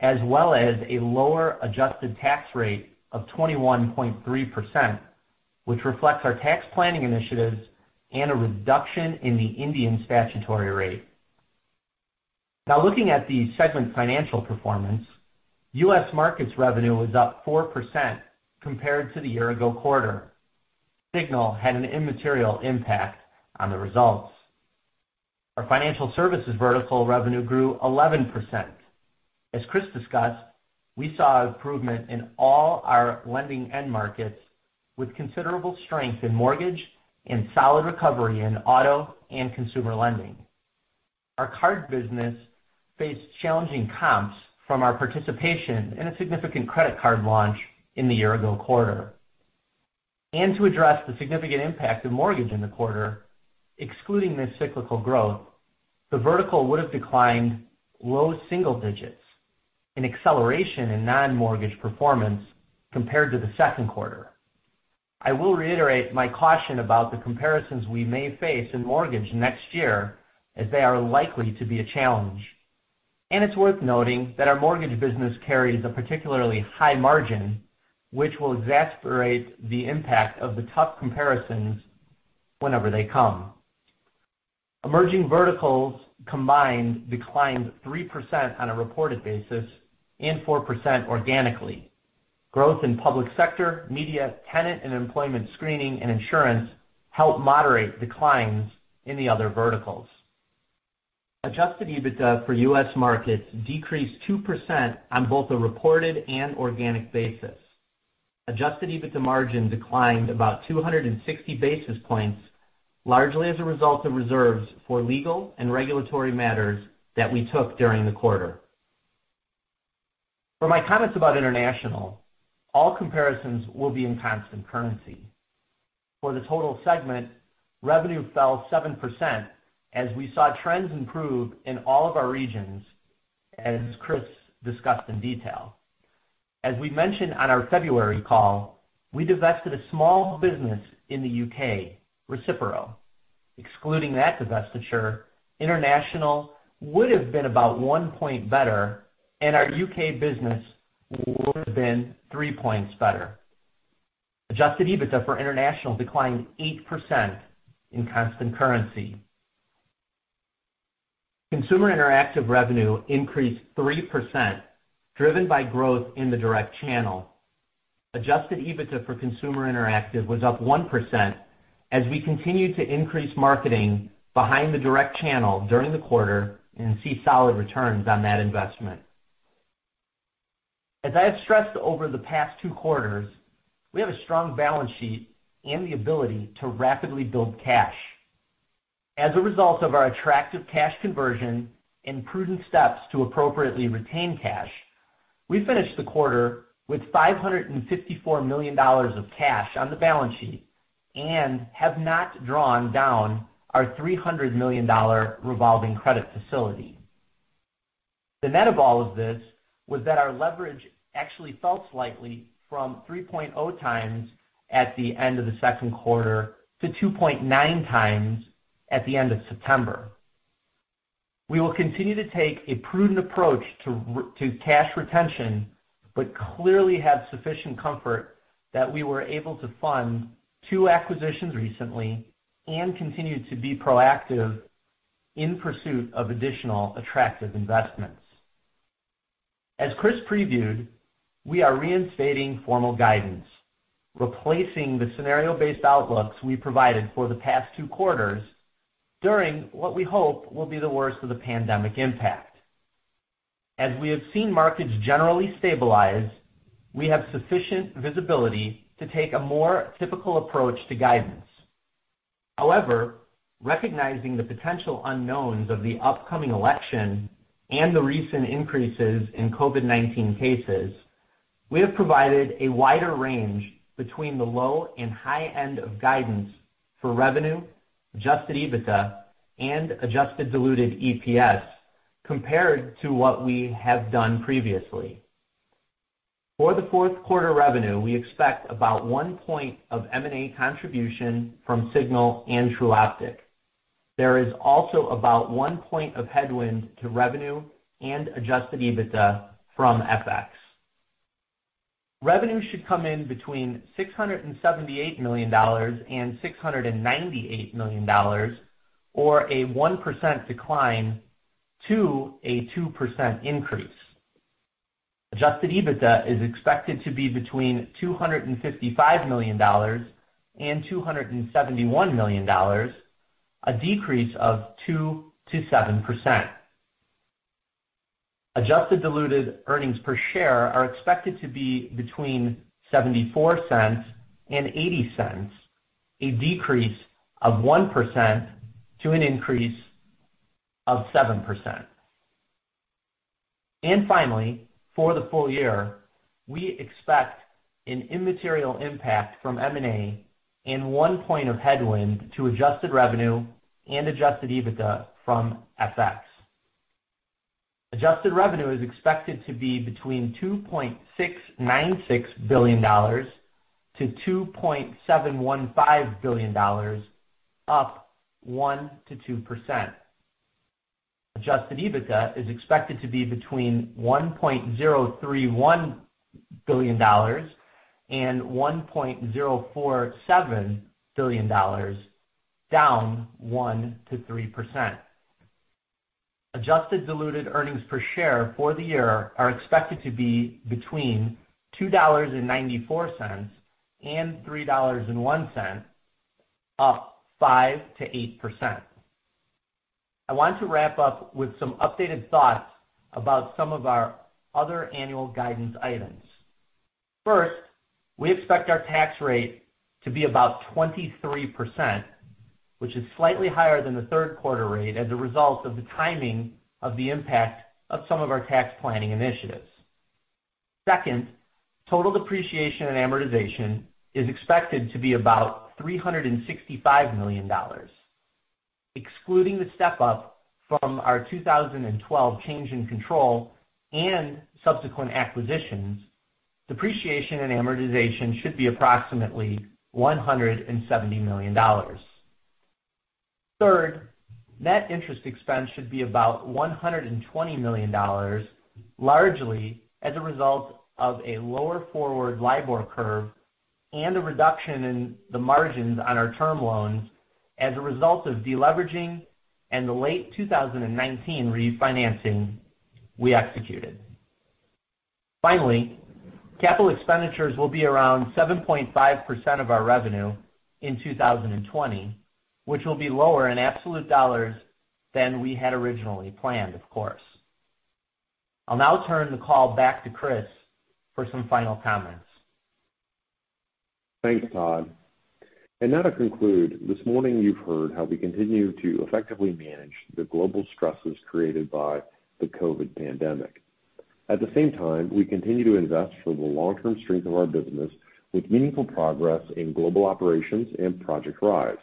as well as a lower adjusted tax rate of 21.3%, which reflects our tax planning initiatives and a reduction in the Indian statutory rate. Now, looking at the segment financial performance, U.S. Markets revenue was up 4% compared to the year-ago quarter. Signal had an immaterial impact on the results. Our Financial Services vertical revenue grew 11%. As Chris discussed, we saw improvement in all our lending end markets with considerable strength in Mortgage and solid recovery in Auto and Consumer Lending. Our Card business faced challenging comps from our participation in a significant credit card launch in the year-ago quarter. And to address the significant impact of mortgage in the quarter, excluding this cyclical growth, the vertical would have declined low single digits in acceleration and non-mortgage performance compared to the second quarter. I will reiterate my caution about the comparisons we may face in mortgage next year, as they are likely to be a challenge. And it's worth noting that our Mortgage business carries a particularly high margin, which will exacerbate the impact of the tough comparisons whenever they come. Emerging Verticals combined declined 3% on a reported basis and 4% organically. Growth in Public Sector, Media, Tenant and Employment screening and Insurance helped moderate declines in the other verticals. Adjusted EBITDA for U.S. Markets decreased 2% on both a reported and organic basis. Adjusted EBITDA margin declined about 260 basis points, largely as a result of reserves for legal and regulatory matters that we took during the quarter. For my comments about International, all comparisons will be in constant currency. For the total segment, revenue fell 7% as we saw trends improve in all of our regions, as Chris discussed in detail. As we mentioned on our February call, we divested a small business in the U.K., Recipero. Excluding that divestiture, International would have been about one point better, and our U.K. business would have been three points better. Adjusted EBITDA for International declined 8% in constant currency. Consumer Interactive revenue increased 3%, driven by growth in the direct channel. Adjusted EBITDA for Consumer Interactive was up 1% as we continued to increase marketing behind the direct channel during the quarter and see solid returns on that investment. As I have stressed over the past two quarters, we have a strong balance sheet and the ability to rapidly build cash. As a result of our attractive cash conversion and prudent steps to appropriately retain cash, we finished the quarter with $554 million of cash on the balance sheet and have not drawn down our $300 million revolving credit facility. The net of all of this was that our leverage actually fell slightly from 3.0x at the end of the second quarter to 2.9x at the end of September. We will continue to take a prudent approach to cash retention, but clearly have sufficient comfort that we were able to fund two acquisitions recently and continue to be proactive in pursuit of additional attractive investments. As Chris previewed, we are reinstating formal guidance, replacing the scenario-based outlooks we provided for the past two quarters during what we hope will be the worst of the pandemic impact. As we have seen markets generally stabilize, we have sufficient visibility to take a more typical approach to guidance. However, recognizing the potential unknowns of the upcoming election and the recent increases in COVID-19 cases, we have provided a wider range between the low and high end of guidance for revenue, adjusted EBITDA, and adjusted diluted EPS compared to what we have done previously. For the fourth quarter revenue, we expect about one point of M&A contribution from Signal and Tru Optik. There is also about one point of headwind to revenue and adjusted EBITDA from FX. Revenue should come in between $678 million-$698 million, or a 1% decline to a 2% increase. Adjusted EBITDA is expected to be between $255 million-$271 million, a decrease of 2%- 7%. Adjusted Diluted Earnings Per Share are expected to be between $0.74-$0.80, a decrease of 1% to an increase of 7%, and finally, for the full year, we expect an immaterial impact from M&A and one point of headwind to adjusted revenue and Adjusted EBITDA from FX. Adjusted revenue is expected to be between $2.696 billion-$2.715 billion, up 1%-2%. Adjusted EBITDA is expected to be between $1.031 billion-$1.047 billion, down 1%-3%. Adjusted Diluted Earnings Per Share for the year are expected to be between $2.94-$3.01, up 5%-8%. I want to wrap up with some updated thoughts about some of our other annual guidance items. First, we expect our tax rate to be about 23%, which is slightly higher than the third quarter rate as a result of the timing of the impact of some of our tax planning initiatives. Second, total depreciation and amortization is expected to be about $365 million. Excluding the step-up from our 2012 change in control and subsequent acquisitions, depreciation and amortization should be approximately $170 million. Third, net interest expense should be about $120 million, largely as a result of a lower forward LIBOR curve and a reduction in the margins on our term loans as a result of deleveraging and the late 2019 refinancing we executed. Finally, capital expenditures will be around 7.5% of our revenue in 2020, which will be lower in absolute dollars than we had originally planned, of course. I'll now turn the call back to Chris for some final comments. Thanks, Todd. And now to conclude, this morning you've heard how we continue to effectively manage the global stresses created by the COVID pandemic. At the same time, we continue to invest for the long-term strength of our business with meaningful progress in Global Operations and Project Rise,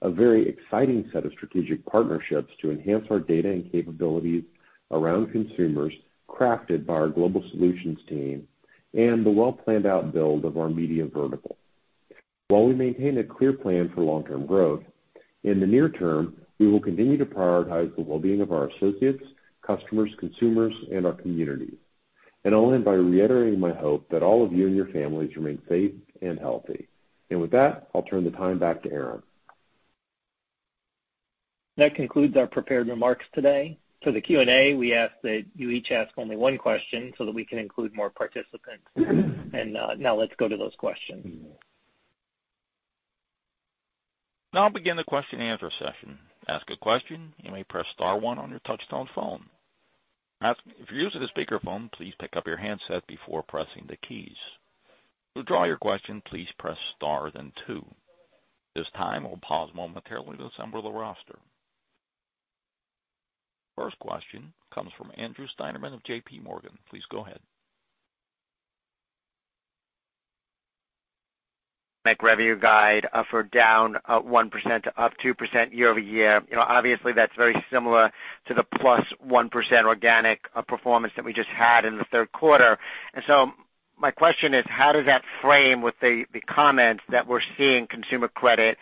a very exciting set of strategic partnerships to enhance our data and capabilities around consumers crafted by our Global Solutions team and the well-planned outbuild of our Media vertical. While we maintain a clear plan for long-term growth, in the near term, we will continue to prioritize the well-being of our associates, customers, consumers, and our community. And I'll end by reiterating my hope that all of you and your families remain safe and healthy. And with that, I'll turn the time back to Aaron. That concludes our prepared remarks today. For the Q&A, we ask that you each ask only one question so that we can include more participants. And now let's go to those questions. Now I'll begin the question-and-answer session. To ask a question, you may press star one on your touch-tone phone. If you're using a speakerphone, please pick up your handset before pressing the keys. To withdraw your question, please press star then two. At this time we'll pause momentarily to assemble the roster. First question comes from Andrew Steinerman of JPMorgan. Please go ahead. Net revenue guide up or down 1% to up 2% year-over-year. You know, obviously that's very similar to the +1% organic performance that we just had in the third quarter. And so my question is, how does that frame with the comments that we're seeing consumer credit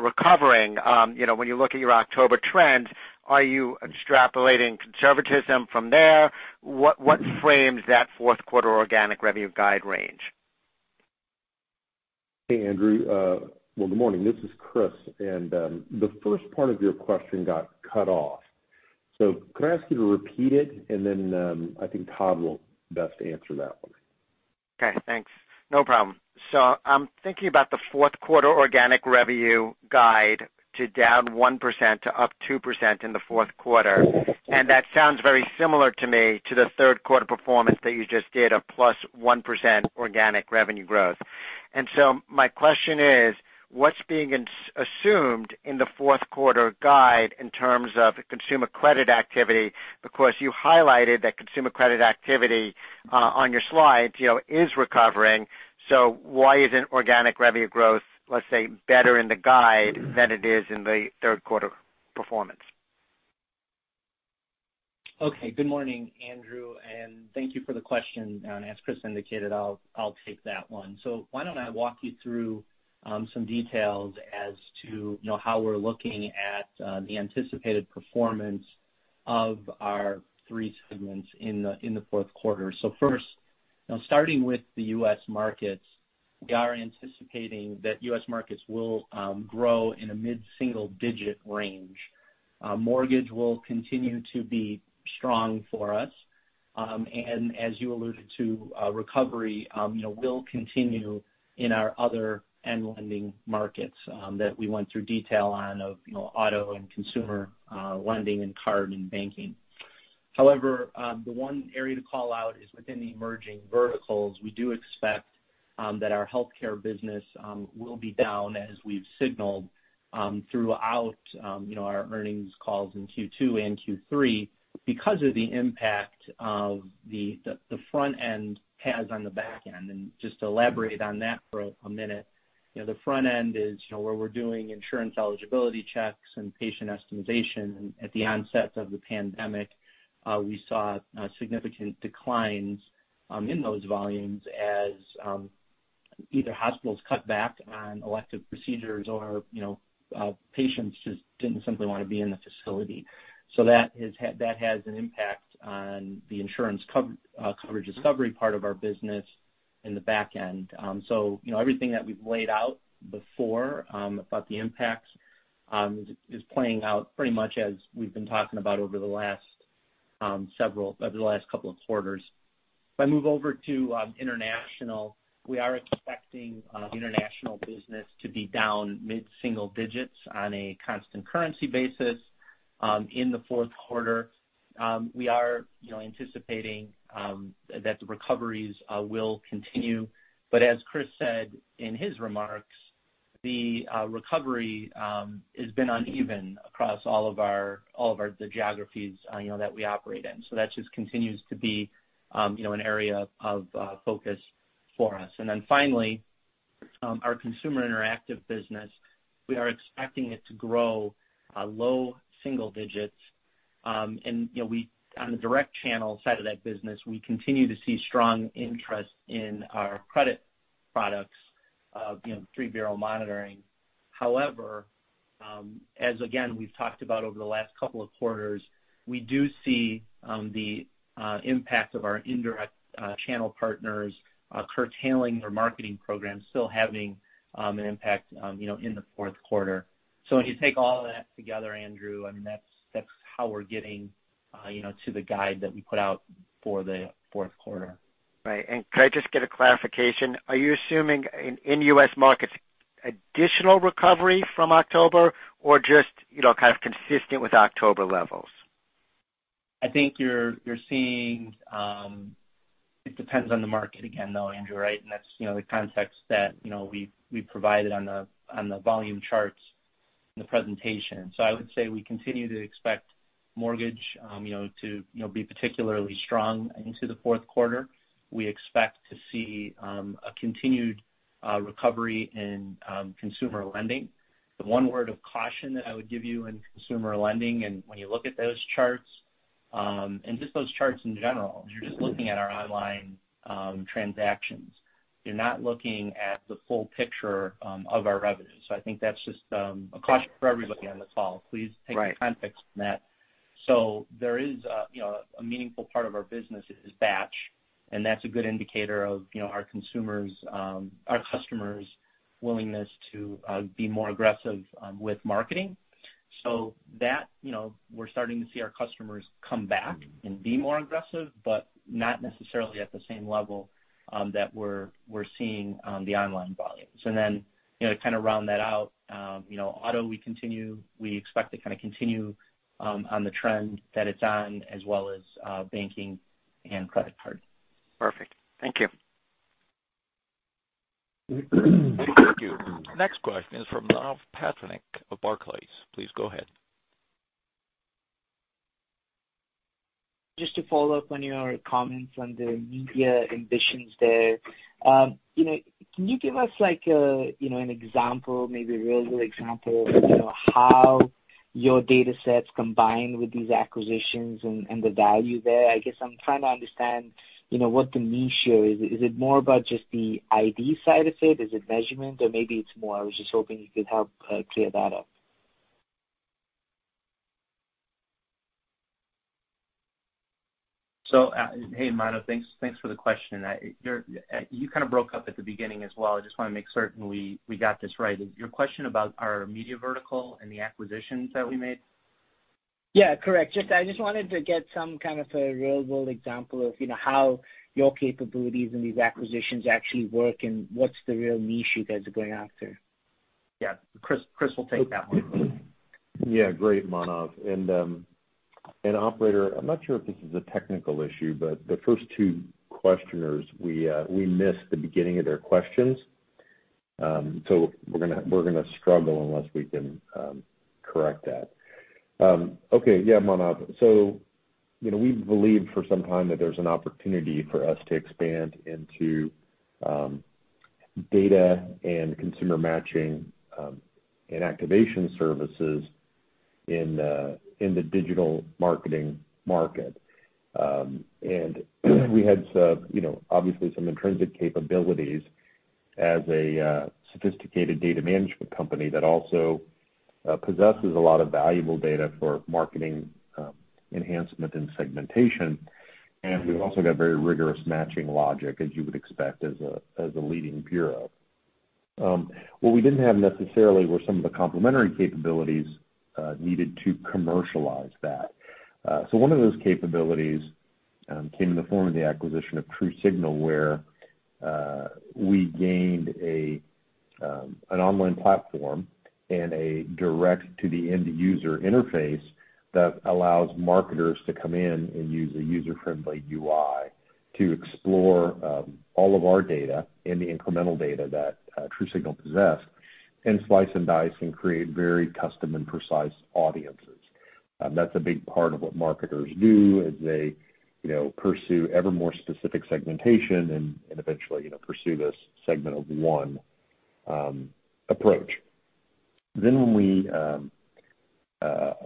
recovering? You know, when you look at your October trends, are you extrapolating conservatism from there? What frames that fourth quarter organic revenue guide range? Hey, Andrew. Well, good morning. This is Chris. And the first part of your question got cut off. So could I ask you to repeat it? And then I think Todd will best answer that one. Okay, thanks. No problem. So I'm thinking about the fourth quarter organic revenue guide to down 1% to up 2% in the fourth quarter. And that sounds very similar to me to the third quarter performance that you just did of plus 1% organic revenue growth. And so my question is, what's being assumed in the fourth quarter guide in terms of consumer credit activity? Because you highlighted that consumer credit activity on your slide, you know, is recovering. So why isn't organic revenue growth, let's say, better in the guide than it is in the third quarter performance? Okay, good morning, Andrew. And thank you for the question. And as Chris indicated, I'll take that one. So why don't I walk you through some details as to, you know, how we're looking at the anticipated performance of our three segments in the fourth quarter. So first, you know, starting with the U.S. Markets, we are anticipating that U.S. Markets will grow in a mid-single digit range. Mortgage will continue to be strong for us. And as you alluded to, recovery, you know, will continue in our other non-lending markets that we went through detail on of, you know, Auto and Consumer Lending and Card and Banking. However, the one area to call out is within the Emerging Verticals. We do expect that our Healthcare business will be down as we've signaled throughout, you know, our earnings calls in Q2 and Q3 because of the impact of the front end has on the back end. And just to elaborate on that for a minute, you know, the front end is, you know, where we're doing Insurance eligibility checks and patient estimation. And at the onset of the pandemic, we saw significant declines in those volumes as either hospitals cut back on elective procedures or, you know, patients just didn't simply want to be in the facility. So that has an impact on the Insurance coverage discovery part of our business in the back end. So, you know, everything that we've laid out before about the impacts is playing out pretty much as we've been talking about over the last several, over the last couple of quarters. If I move over to International, we are expecting the International business to be down mid-single digits on a constant currency basis in the fourth quarter. We are, you know, anticipating that the recoveries will continue. But as Chris said in his remarks, the recovery has been uneven across all of our geographies, you know, that we operate in. So that just continues to be, you know, an area of focus for us. And then finally, our Consumer Interactive business, we are expecting it to grow low single digits. And, you know, we, on the direct channel side of that business, we continue to see strong interest in our credit products, you know, through bureau monitoring. However, as again, we've talked about over the last couple of quarters, we do see the impact of our indirect channel partners curtailing their marketing programs, still having an impact, you know, in the fourth quarter. So when you take all that together, Andrew, I mean, that's how we're getting, you know, to the guide that we put out for the fourth quarter. Right, and can I just get a clarification? Are you assuming in U.S. Markets additional recovery from October or just, you know, kind of consistent with October levels? I think you're seeing it depends on the market again, though, Andrew, right, and that's, you know, the context that, you know, we've provided on the volume charts in the presentation, so I would say we continue to expect Mortgage, you know, to be particularly strong into the fourth quarter. We expect to see a continued recovery in Consumer Lending. The one word of caution that I would give you in Consumer Lending, and when you look at those charts, and just those charts in general, you're just looking at our online transactions. You're not looking at the full picture of our revenue. So I think that's just a caution for everybody on the call. Please take the context from that. So there is, you know, a meaningful part of our business is batch. And that's a good indicator of, you know, our consumers, our customers' willingness to be more aggressive with marketing. So that, you know, we're starting to see our customers come back and be more aggressive, but not necessarily at the same level that we're seeing on the online volumes. And then, you know, to kind of round that out, you know, Auto, we continue, we expect to kind of continue on the trend that it's on, as well as Banking and Credit Card. Perfect. Thank you. Thank you. Next question is from Manav Patnaik of Barclays. Please go ahead. Just to follow up on your comments on the media ambitions there, you know, can you give us like, you know, an example, maybe a real good example of, you know, how your data sets combine with these acquisitions and the value there? I guess I'm trying to understand, you know, what the endgame is. Is it more about just the ID side of it? Is it measurement? Or maybe it's more. I was just hoping you could help clear that up. So, hey, Manav, thanks for the question. You kind of broke up at the beginning as well. I just want to make certain we got this right. Your question about our Media vertical and the acquisitions that we made? Yeah, correct. Just, I just wanted to get some kind of a real world example of, you know, how your capabilities and these acquisitions actually work and what's the real niche you guys are going after. Yeah, Chris will take that one. Yeah, great, Manav. And, operator, I'm not sure if this is a technical issue, but the first two questioners, we missed the beginning of their questions. So we're going to struggle unless we can correct that. Okay, yeah, Manav. So, you know, we believe for some time that there's an opportunity for us to expand into data and consumer matching and activation services in the digital marketing market. And we had, you know, obviously some intrinsic capabilities as a sophisticated data management company that also possesses a lot of valuable data for marketing enhancement and segmentation. And we've also got very rigorous matching logic, as you would expect as a leading bureau. What we didn't have necessarily were some of the complementary capabilities needed to commercialize that. One of those capabilities came in the form of the acquisition of TruSignal, where we gained an online platform and a direct-to-the-end-user interface that allows marketers to come in and use a user-friendly UI to explore all of our data and the incremental data that TruSignal possessed and slice and dice and create very custom and precise audiences. That's a big part of what marketers do as they, you know, pursue ever more specific segmentation and eventually, you know, pursue this segment of one approach. Then when we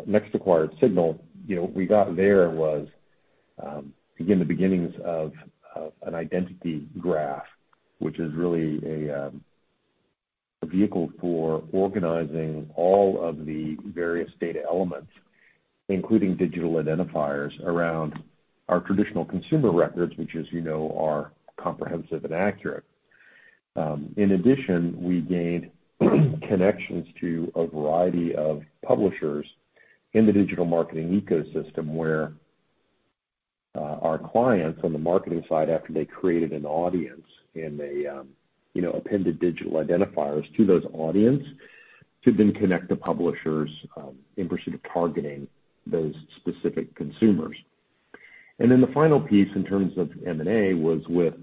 next acquired Signal, you know, we got there was, again, the beginnings of an identity graph, which is really a vehicle for organizing all of the various data elements, including digital identifiers around our traditional consumer records, which, as you know, are comprehensive and accurate. In addition, we gained connections to a variety of publishers in the digital marketing ecosystem where our clients on the marketing side, after they created an audience and they, you know, appended digital identifiers to those audiences to then connect to publishers in pursuit of targeting those specific consumers. And then the final piece in terms of M&A was with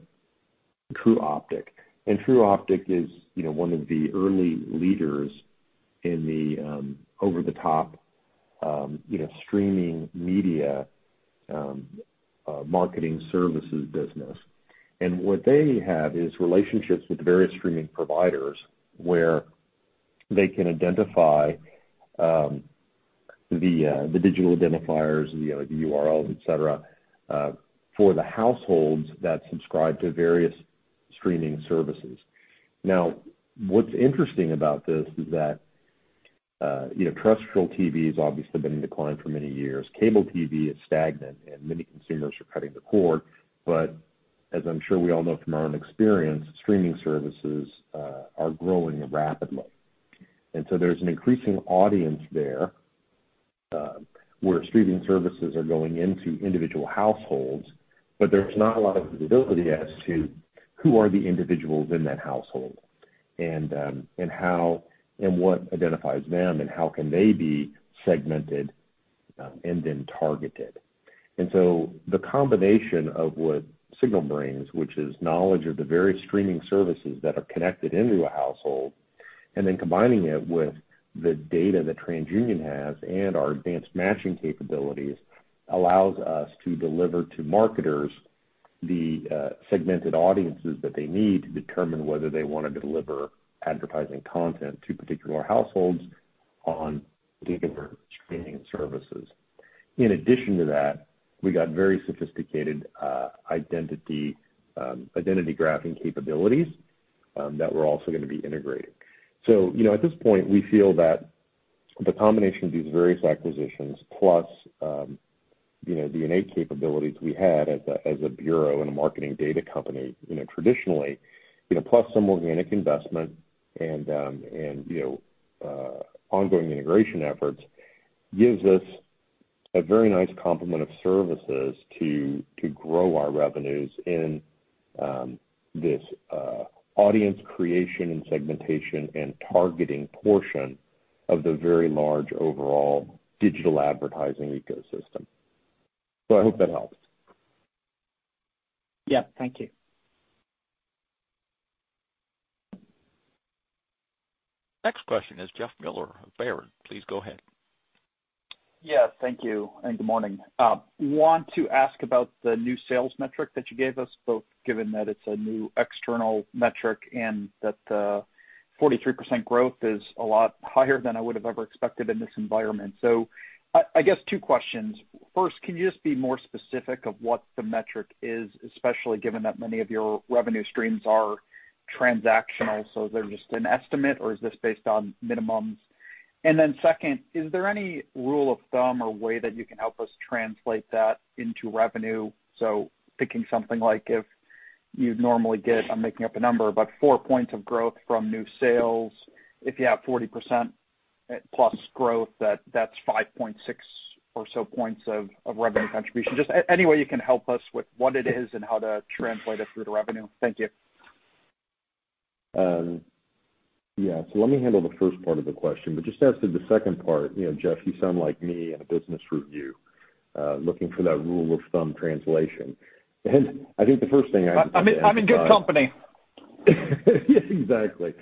Tru Optik. and Tru Optik is, you know, one of the early leaders in the over-the-top, you know, streaming media marketing services business. And what they have is relationships with various streaming providers where they can identify the digital identifiers, the URLs, et cetera, for the households that subscribe to various streaming services. Now, what's interesting about this is that, you know, terrestrial TV has obviously been in decline for many years. Cable TV is stagnant and many consumers are cutting the cord. But as I'm sure we all know from our own experience, streaming services are growing rapidly. And so there's an increasing audience there where streaming services are going into individual households, but there's not a lot of visibility as to who are the individuals in that household and how and what identifies them and how can they be segmented and then targeted. And so the combination of what Signal brings, which is knowledge of the various streaming services that are connected into a household, and then combining it with the data that TransUnion has and our advanced matching capabilities allows us to deliver to marketers the segmented audiences that they need to determine whether they want to deliver advertising content to particular households on particular streaming services. In addition to that, we got very sophisticated identity graphing capabilities that we're also going to be integrating. So, you know, at this point, we feel that the combination of these various acquisitions plus, you know, the innate capabilities we had as a bureau and a marketing data company, you know, traditionally, you know, plus some organic investment and, you know, ongoing integration efforts gives us a very nice complement of services to grow our revenues in this audience creation and segmentation and targeting portion of the very large overall digital advertising ecosystem. So I hope that helps. Yeah, thank you. Next question is Jeff Meuler of Baird. Please go ahead. Yes, thank you. And good morning. Want to ask about the new sales metric that you gave us, both given that it's a new external metric and that the 43% growth is a lot higher than I would have ever expected in this environment. So I guess two questions. First, can you just be more specific of what the metric is, especially given that many of your revenue streams are transactional, so they're just an estimate, or is this based on minimums? And then second, is there any rule of thumb or way that you can help us translate that into revenue? So thinking something like if you'd normally get, I'm making up a number, but four points of growth from new sales, if you have 40%+ growth, that's 5.6 or so points of revenue contribution. Just any way you can help us with what it is and how to translate it through to revenue? Thank you. Yeah, so let me handle the first part of the question, but just as to the second part, you know, Jeff, you sound like me in a business review looking for that rule of thumb translation. And I think the first thing. I'm in good company. Yeah, exactly.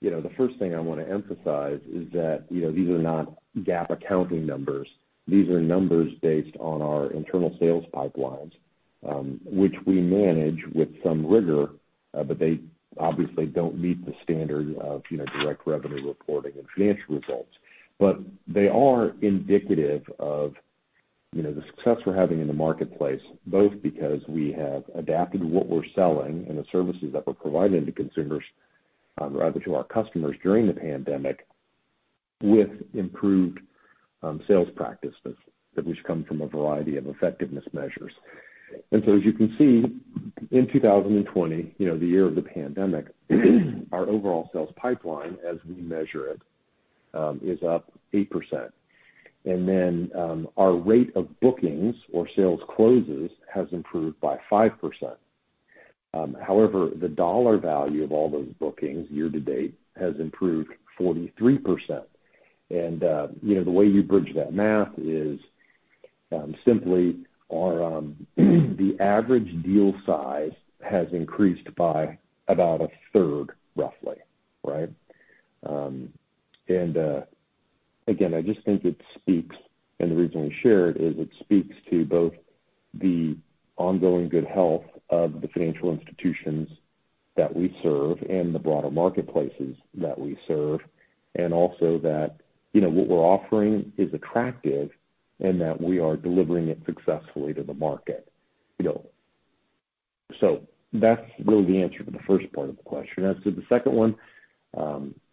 You know, the first thing I want to emphasize is that, you know, these are not GAAP accounting numbers. These are numbers based on our internal sales pipelines, which we manage with some rigor, but they obviously don't meet the standard of, you know, direct revenue reporting and financial results. But they are indicative of, you know, the success we're having in the marketplace, both because we have adapted to what we're selling and the services that we're providing to consumers rather than to our customers during the pandemic with improved sales practices that which come from a variety of effectiveness measures. And so, as you can see, in 2020, you know, the year of the pandemic, our overall sales pipeline, as we measure it, is up 8%. And then our rate of bookings or sales closes has improved by 5%. However, the dollar value of all those bookings year to date has improved 43%. And, you know, the way you bridge that math is simply the average deal size has increased by about a third, roughly, right? And again, I just think it speaks, and the reason I shared is it speaks to both the ongoing good health of the financial institutions that we serve and the broader marketplaces that we serve, and also that, you know, what we're offering is attractive and that we are delivering it successfully to the market. You know, so that's really the answer to the first part of the question. As to the second one,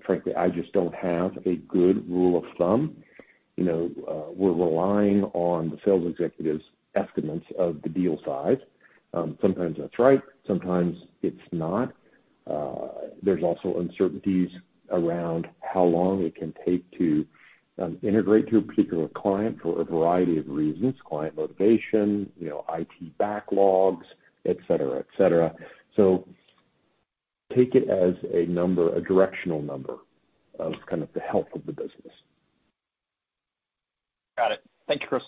frankly, I just don't have a good rule of thumb. You know, we're relying on the sales executives' estimates of the deal size. Sometimes that's right. Sometimes it's not. There's also uncertainties around how long it can take to integrate to a particular client for a variety of reasons: client motivation, you know, IT backlogs, et cetera, et cetera. So take it as a number, a directional number of kind of the health of the business. Got it. Thank you, Chris.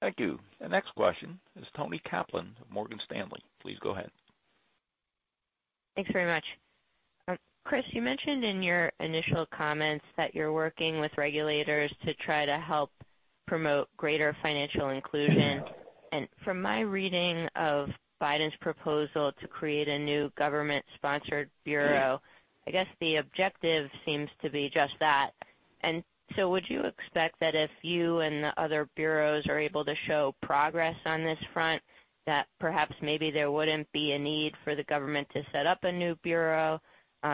Thank you. And next question is Toni Kaplan of Morgan Stanley. Please go ahead. Thanks very much. Chris, you mentioned in your initial comments that you're working with regulators to try to help promote greater financial inclusion. And from my reading of Biden's proposal to create a new government-sponsored bureau, I guess the objective seems to be just that. And so would you expect that if you and the other bureaus are able to show progress on this front, that perhaps maybe there wouldn't be a need for the government to set up a new bureau?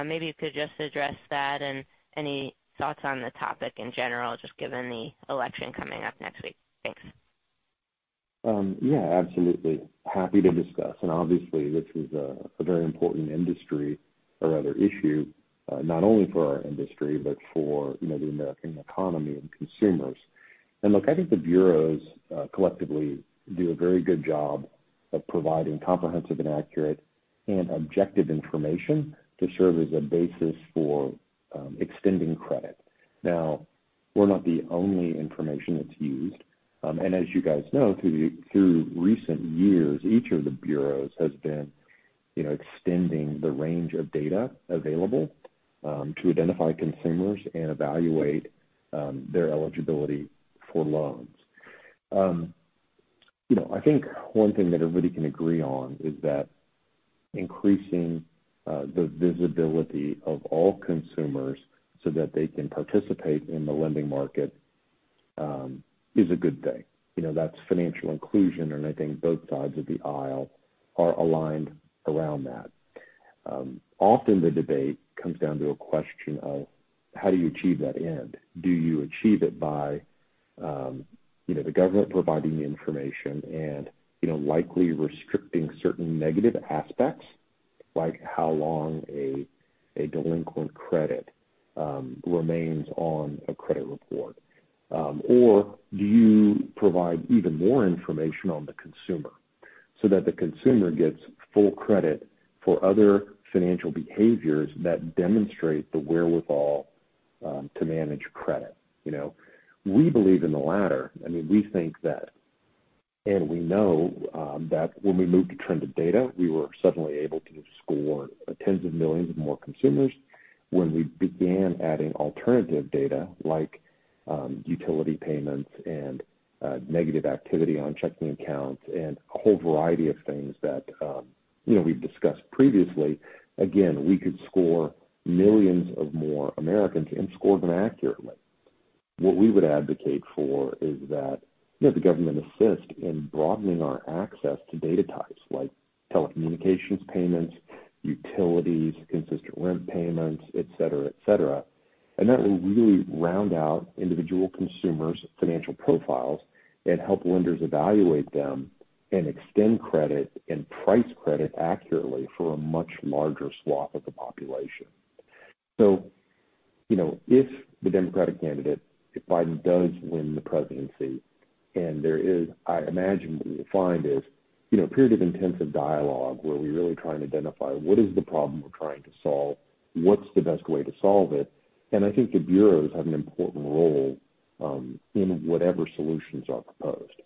Maybe you could just address that and any thoughts on the topic in general, just given the election coming up next week. Thanks. Yeah, absolutely. Happy to discuss. And obviously, this is a very important industry or other issue, not only for our industry, but for, you know, the American economy and consumers. And look, I think the bureaus collectively do a very good job of providing comprehensive and accurate and objective information to serve as a basis for extending credit. Now, we're not the only information that's used. And as you guys know, through recent years, each of the bureaus has been, you know, extending the range of data available to identify consumers and evaluate their eligibility for loans. You know, I think one thing that everybody can agree on is that increasing the visibility of all consumers so that they can participate in the lending market is a good thing. You know, that's financial inclusion. And I think both sides of the aisle are aligned around that. Often the debate comes down to a question of how do you achieve that end? Do you achieve it by, you know, the government providing information and, you know, likely restricting certain negative aspects, like how long a delinquent credit remains on a credit report? Or do you provide even more information on the consumer so that the consumer gets full credit for other financial behaviors that demonstrate the wherewithal to manage credit? You know, we believe in the latter. I mean, we think that, and we know that when we moved to trended data, we were suddenly able to score tens of millions of more consumers when we began adding alternative data like utility payments and negative activity on checking accounts and a whole variety of things that, you know, we've discussed previously. Again, we could score millions of more Americans and score them accurately. What we would advocate for is that, you know, the government assists in broadening our access to data types like telecommunications, payments, utilities, consistent rent payments, et cetera, et cetera, and that will really round out individual consumers' financial profiles and help lenders evaluate them and extend credit and price credit accurately for a much larger swath of the population. So, you know, if the Democratic candidate, if Biden does win the presidency and there is, I imagine there is, you know, a period of intensive dialogue where we're really trying to identify what is the problem we're trying to solve, what's the best way to solve it. And I think the bureaus have an important role in whatever solutions are proposed.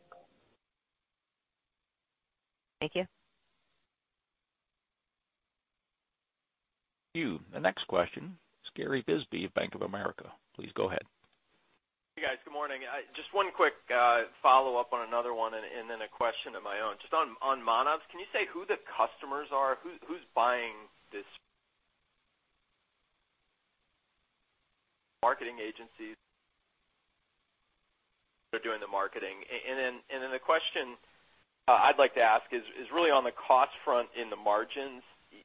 Thank you. Thank you. The next question, Gary Bisbee of Bank of America. Please go ahead. Hey guys, good morning. Just one quick follow-up on another one and then a question of my own. Just on Manav's, can you say who the customers are? Who's buying this? Marketing agency? They're doing the marketing. And then the question I'd like to ask is really on the cost front in the margins. I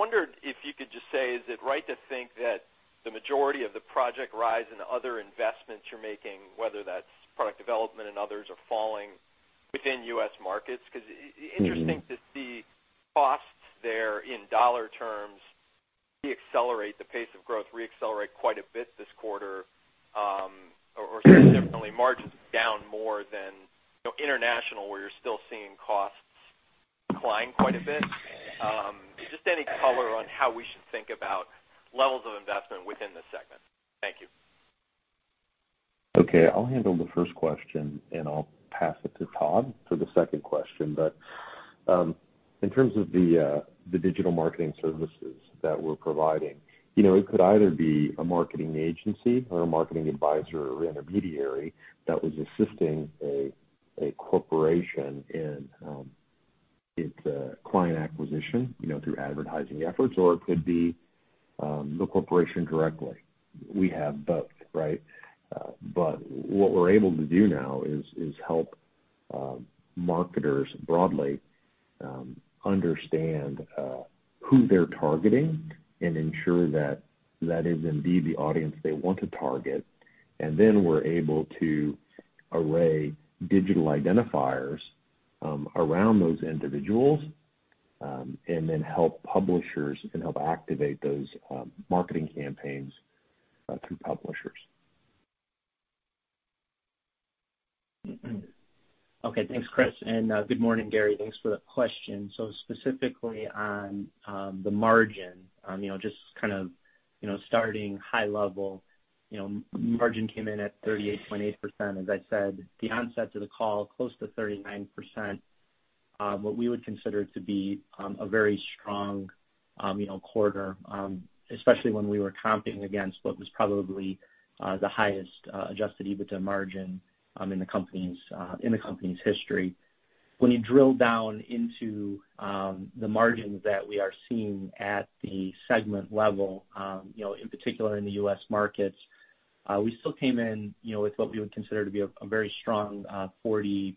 wondered if you could just say, is it right to think that the majority of the Project Rise and other investments you're making, whether that's product development and others, are falling within U.S. Markets? Because interesting to see costs there in dollar terms accelerate the pace of growth, re-accelerate quite a bit this quarter, or certainly margins down more than, you know, International where you're still seeing costs climb quite a bit. Just any color on how we should think about levels of investment within the segment. Thank you. Okay, I'll handle the first question and I'll pass it to Todd for the second question. But in terms of the digital marketing services that we're providing, you know, it could either be a marketing agency or a marketing advisor or intermediary that is assisting a corporation in its client acquisition, you know, through advertising efforts, or it could be the corporation directly. We have both, right? But what we're able to do now is help marketers broadly understand who they're targeting and ensure that that is indeed the audience they want to target. And then we're able to array digital identifiers around those individuals and then help publishers and help activate those marketing campaigns through publishers. Okay, thanks, Chris, and good morning, Gary. Thanks for the question. Specifically on the margin, you know, just kind of, you know, starting high level, you know, margin came in at 38.8%. As I said at the onset of the call, close to 39%, what we would consider to be a very strong, you know, quarter, especially when we were comping against what was probably the highest Adjusted EBITDA margin in the company's history. When you drill down into the margins that we are seeing at the segment level, you know, in particular in the U.S. Markets, we still came in, you know, with what we would consider to be a very strong 40.4%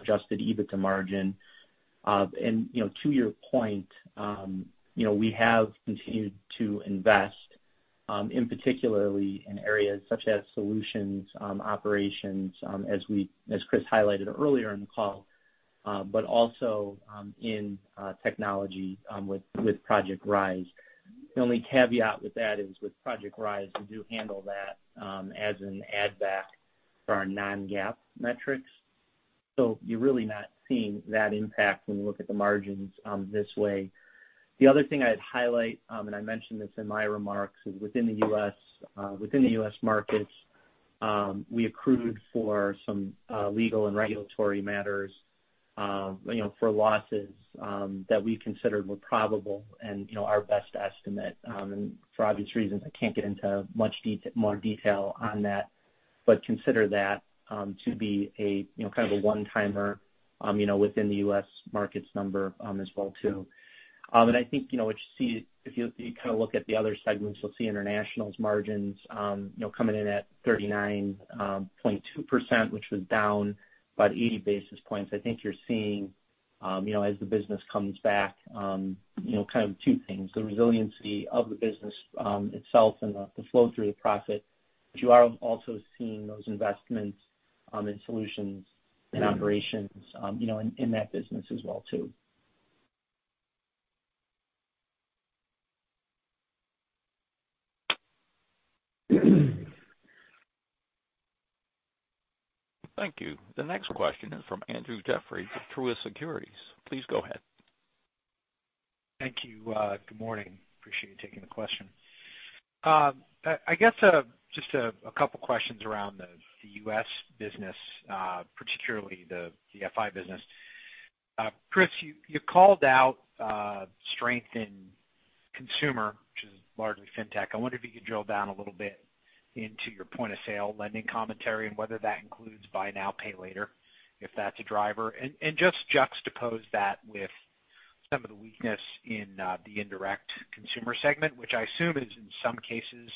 Adjusted EBITDA margin. And, you know, to your point, you know, we have continued to invest in particularly in areas such as solutions, operations, as Chris highlighted earlier in the call, but also in technology with Project Rise. The only caveat with that is with Project Rise, we do handle that as an add-back for our non-GAAP metrics. So you're really not seeing that impact when we look at the margins this way. The other thing I'd highlight, and I mentioned this in my remarks, is within the U.S., within the U.S. Markets, we accrued for some legal and regulatory matters, you know, for losses that we considered were probable and, you know, our best estimate. And for obvious reasons, I can't get into much more detail on that, but consider that to be a, you know, kind of a one-timer, you know, within the U.S. Markets number as well too. I think, you know, if you kind of look at the other segments, you'll see International's margins, you know, coming in at 39.2%, which was down about 80 basis points. I think you're seeing, you know, as the business comes back, you know, kind of two things: the resiliency of the business itself and the flow through the profit, but you are also seeing those investments in solutions and operations, you know, in that business as well too. Thank you. The next question is from Andrew Jeffrey of Truist Securities. Please go ahead. Thank you. Good morning. Appreciate you taking the question. I guess just a couple of questions around the U.S. business, particularly the FI business. Chris, you called out strength in consumer, which is largely FinTech. I wonder if you could drill down a little bit into your point-of-sale lending commentary and whether that includes Buy Now, Pay Later if that's a driver, and just juxtapose that with some of the weakness in the indirect consumer segment, which I assume is in some cases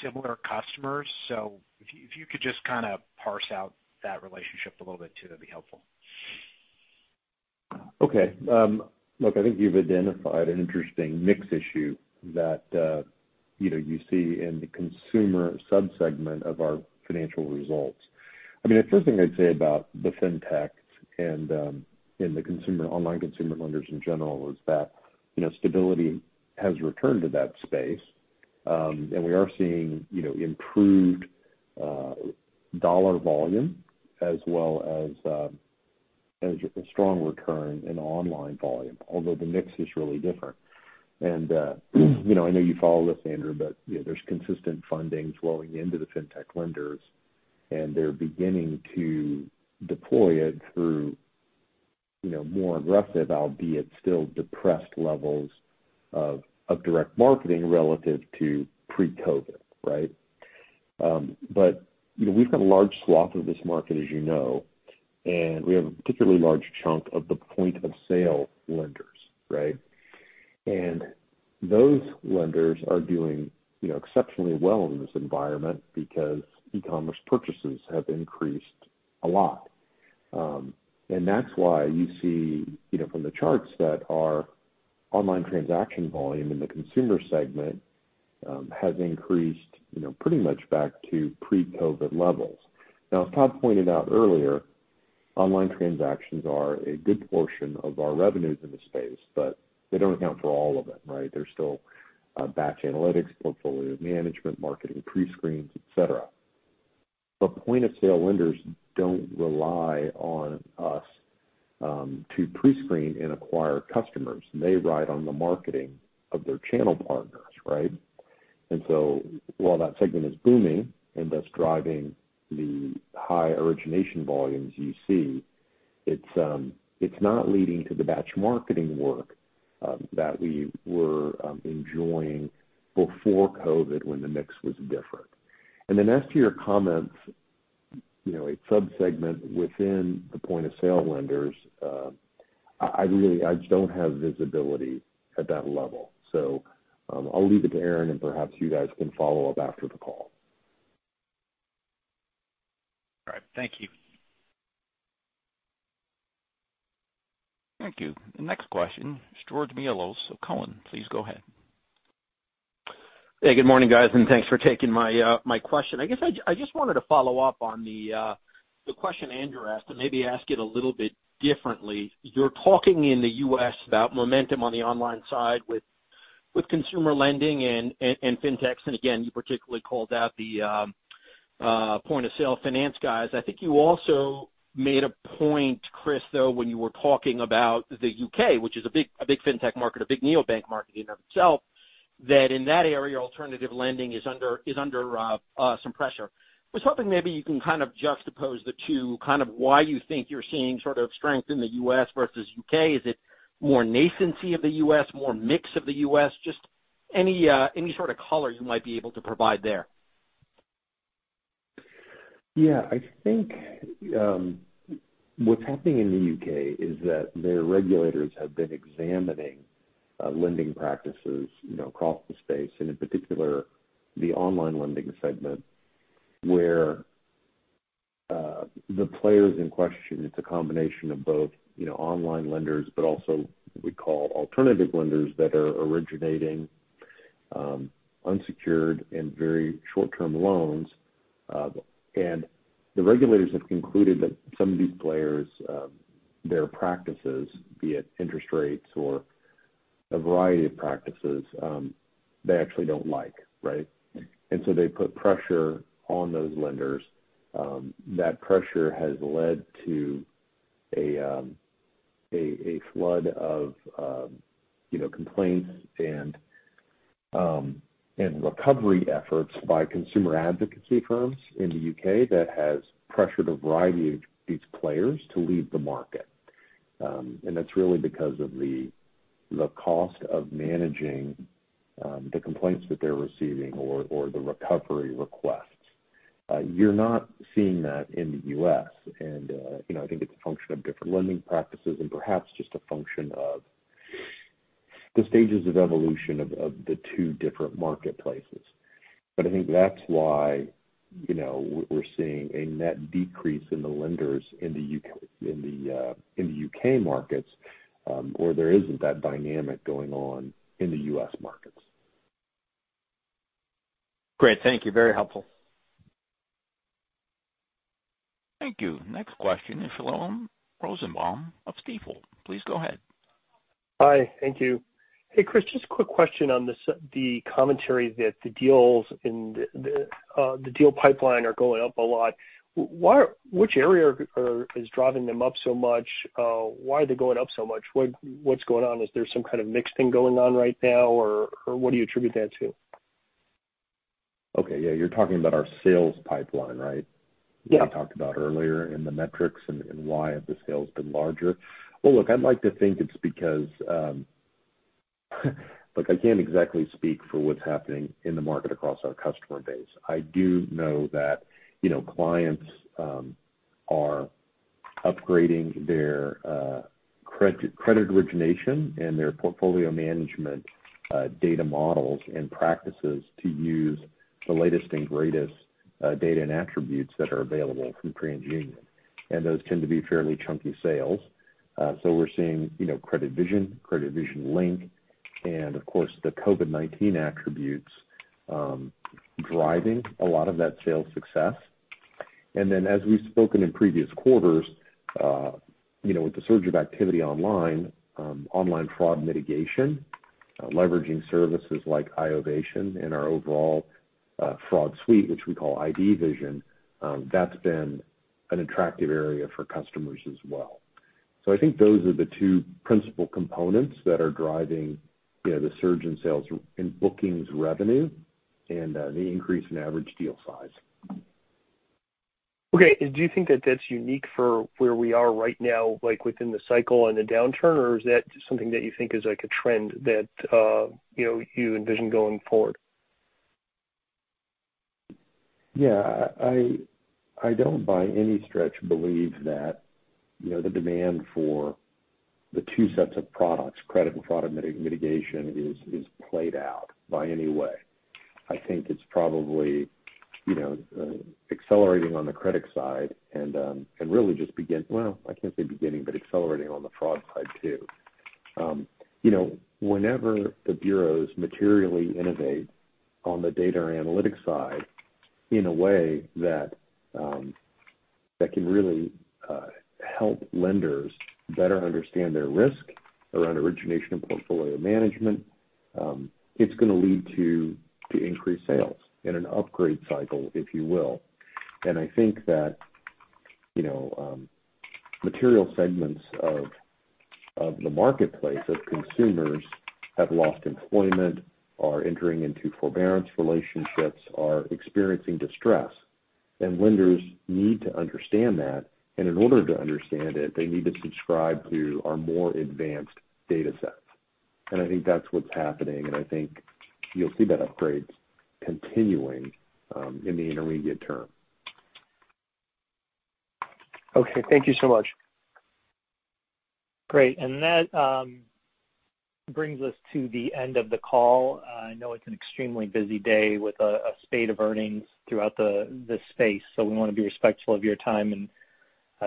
similar customers. So if you could just kind of parse out that relationship a little bit too, that'd be helpful. Okay. Look, I think you've identified an interesting mix issue that, you know, you see in the consumer subsegment of our financial results. I mean, the first thing I'd say about the FinTechs and the consumer, online consumer lenders in general is that, you know, stability has returned to that space, and we are seeing, you know, improved dollar volume as well as a strong return in online volume, although the mix is really different, and, you know, I know you follow this, Andrew, but, you know, there's consistent funding flowing into the FinTech lenders, and they're beginning to deploy it through, you know, more aggressive, albeit still depressed levels of direct marketing relative to pre-COVID, right, but, you know, we've got a large swath of this market, as you know, and we have a particularly large chunk of the point-of-sale lenders, right? Those lenders are doing, you know, exceptionally well in this environment because e-commerce purchases have increased a lot. That's why you see, you know, from the charts that our online transaction volume in the consumer segment has increased, you know, pretty much back to pre-COVID levels. Now, as Todd pointed out earlier, online transactions are a good portion of our revenues in this space, but they don't account for all of it, right? There's still batch analytics, portfolio management, marketing pre-screens, et cetera. Point-of-sale lenders don't rely on us to pre-screen and acquire customers. They ride on the marketing of their channel partners, right? So while that segment is booming and thus driving the high origination volumes you see, it's not leading to the batch marketing work that we were enjoying before COVID when the mix was different. And then as to your comments, you know, a subsegment within the point-of-sale lenders, I really, I don't have visibility at that level. So I'll leave it to Aaron, and perhaps you guys can follow up after the call. All right. Thank you. Thank you. The next question, George Mihalos of Cowen, please go ahead. Hey, good morning, guys, and thanks for taking my question. I guess I just wanted to follow up on the question Andrew asked and maybe ask it a little bit differently. You're talking in the U.S. about momentum on the online side with Consumer Lending and FinTechs. And again, you particularly called out the point of sale finance guys. I think you also made a point, Chris, though, when you were talking about the U.K., which is a big FinTech market, a big neobank market in and of itself, that in that area, alternative lending is under some pressure. I was hoping maybe you can kind of juxtapose the two kind of why you think you're seeing sort of strength in the U.S. versus U.K.? Is it more nascency of the U.S., more mix of the U.S.? Just any sort of color you might be able to provide there? Yeah, I think what's happening in the U.K. is that their regulators have been examining lending practices, you know, across the space, and in particular the online lending segment where the players in question, it's a combination of both, you know, online lenders, but also we call alternative lenders that are originating unsecured and very short-term loans. And the regulators have concluded that some of these players, their practices, be it interest rates or a variety of practices, they actually don't like, right? And so they put pressure on those lenders. That pressure has led to a flood of, you know, complaints and recovery efforts by consumer advocacy firms in the U.K. that has pressured a variety of these players to leave the market. And that's really because of the cost of managing the complaints that they're receiving or the recovery requests. You're not seeing that in the U.S. You know, I think it's a function of different lending practices and perhaps just a function of the stages of evolution of the two different marketplaces. But I think that's why, you know, we're seeing a net decrease in the lenders in the U.K. markets where there isn't that dynamic going on in the U.S. Markets. Great. Thank you. Very helpful. Thank you. Next question, Shlomo Rosenbaum of Stifel. Please go ahead. Hi. Thank you. Hey, Chris, just a quick question on the commentary that the deals in the deal pipeline are going up a lot. Which area is driving them up so much? Why are they going up so much? What's going on? Is there some kind of mixed thing going on right now, or what do you attribute that to? Okay. Yeah. You're talking about our sales pipeline, right? Yeah. That I talked about earlier in the metrics and why the sales have been larger. Well, look, I'd like to think it's because, look, I can't exactly speak for what's happening in the market across our customer base. I do know that, you know, clients are upgrading their credit origination and their portfolio management data models and practices to use the latest and greatest data and attributes that are available from TransUnion. And those tend to be fairly chunky sales. So we're seeing, you know, CreditVision, CreditVision Link, and of course, the COVID-19 attributes driving a lot of that sales success. And then, as we've spoken in previous quarters, you know, with the surge of activity online, online fraud mitigation, leveraging services like iovation and our overall fraud suite, which we call IDVision, that's been an attractive area for customers as well. So I think those are the two principal components that are driving, you know, the surge in sales and bookings revenue and the increase in average deal size. Okay. And do you think that that's unique for where we are right now, like within the cycle and the downturn, or is that something that you think is like a trend that, you know, you envision going forward? Yeah. I don't by any stretch believe that, you know, the demand for the two sets of products, credit and fraud mitigation, is played out by any way. I think it's probably, you know, accelerating on the credit side and really just beginning, well, I can't say beginning, but accelerating on the fraud side too. You know, whenever the bureaus materially innovate on the data or analytics side in a way that can really help lenders better understand their risk around origination and portfolio management, it's going to lead to increased sales and an upgrade cycle, if you will. And I think that, you know, material segments of the marketplace of consumers have lost employment, are entering into forbearance relationships, are experiencing distress. And lenders need to understand that. And in order to understand it, they need to subscribe to our more advanced data sets. I think that's what's happening. I think you'll see that upgrade continuing in the intermediate term. Okay. Thank you so much. Great. And that brings us to the end of the call. I know it's an extremely busy day with a spate of earnings throughout this space. So we want to be respectful of your time and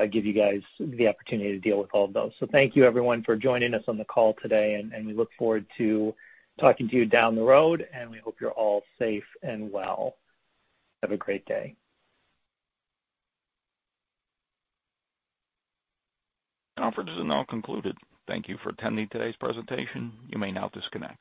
give you guys the opportunity to deal with all of those. So thank you, everyone, for joining us on the call today. And we look forward to talking to you down the road. And we hope you're all safe and well. Have a great day. Conference is now concluded. Thank you for attending today's presentation. You may now disconnect.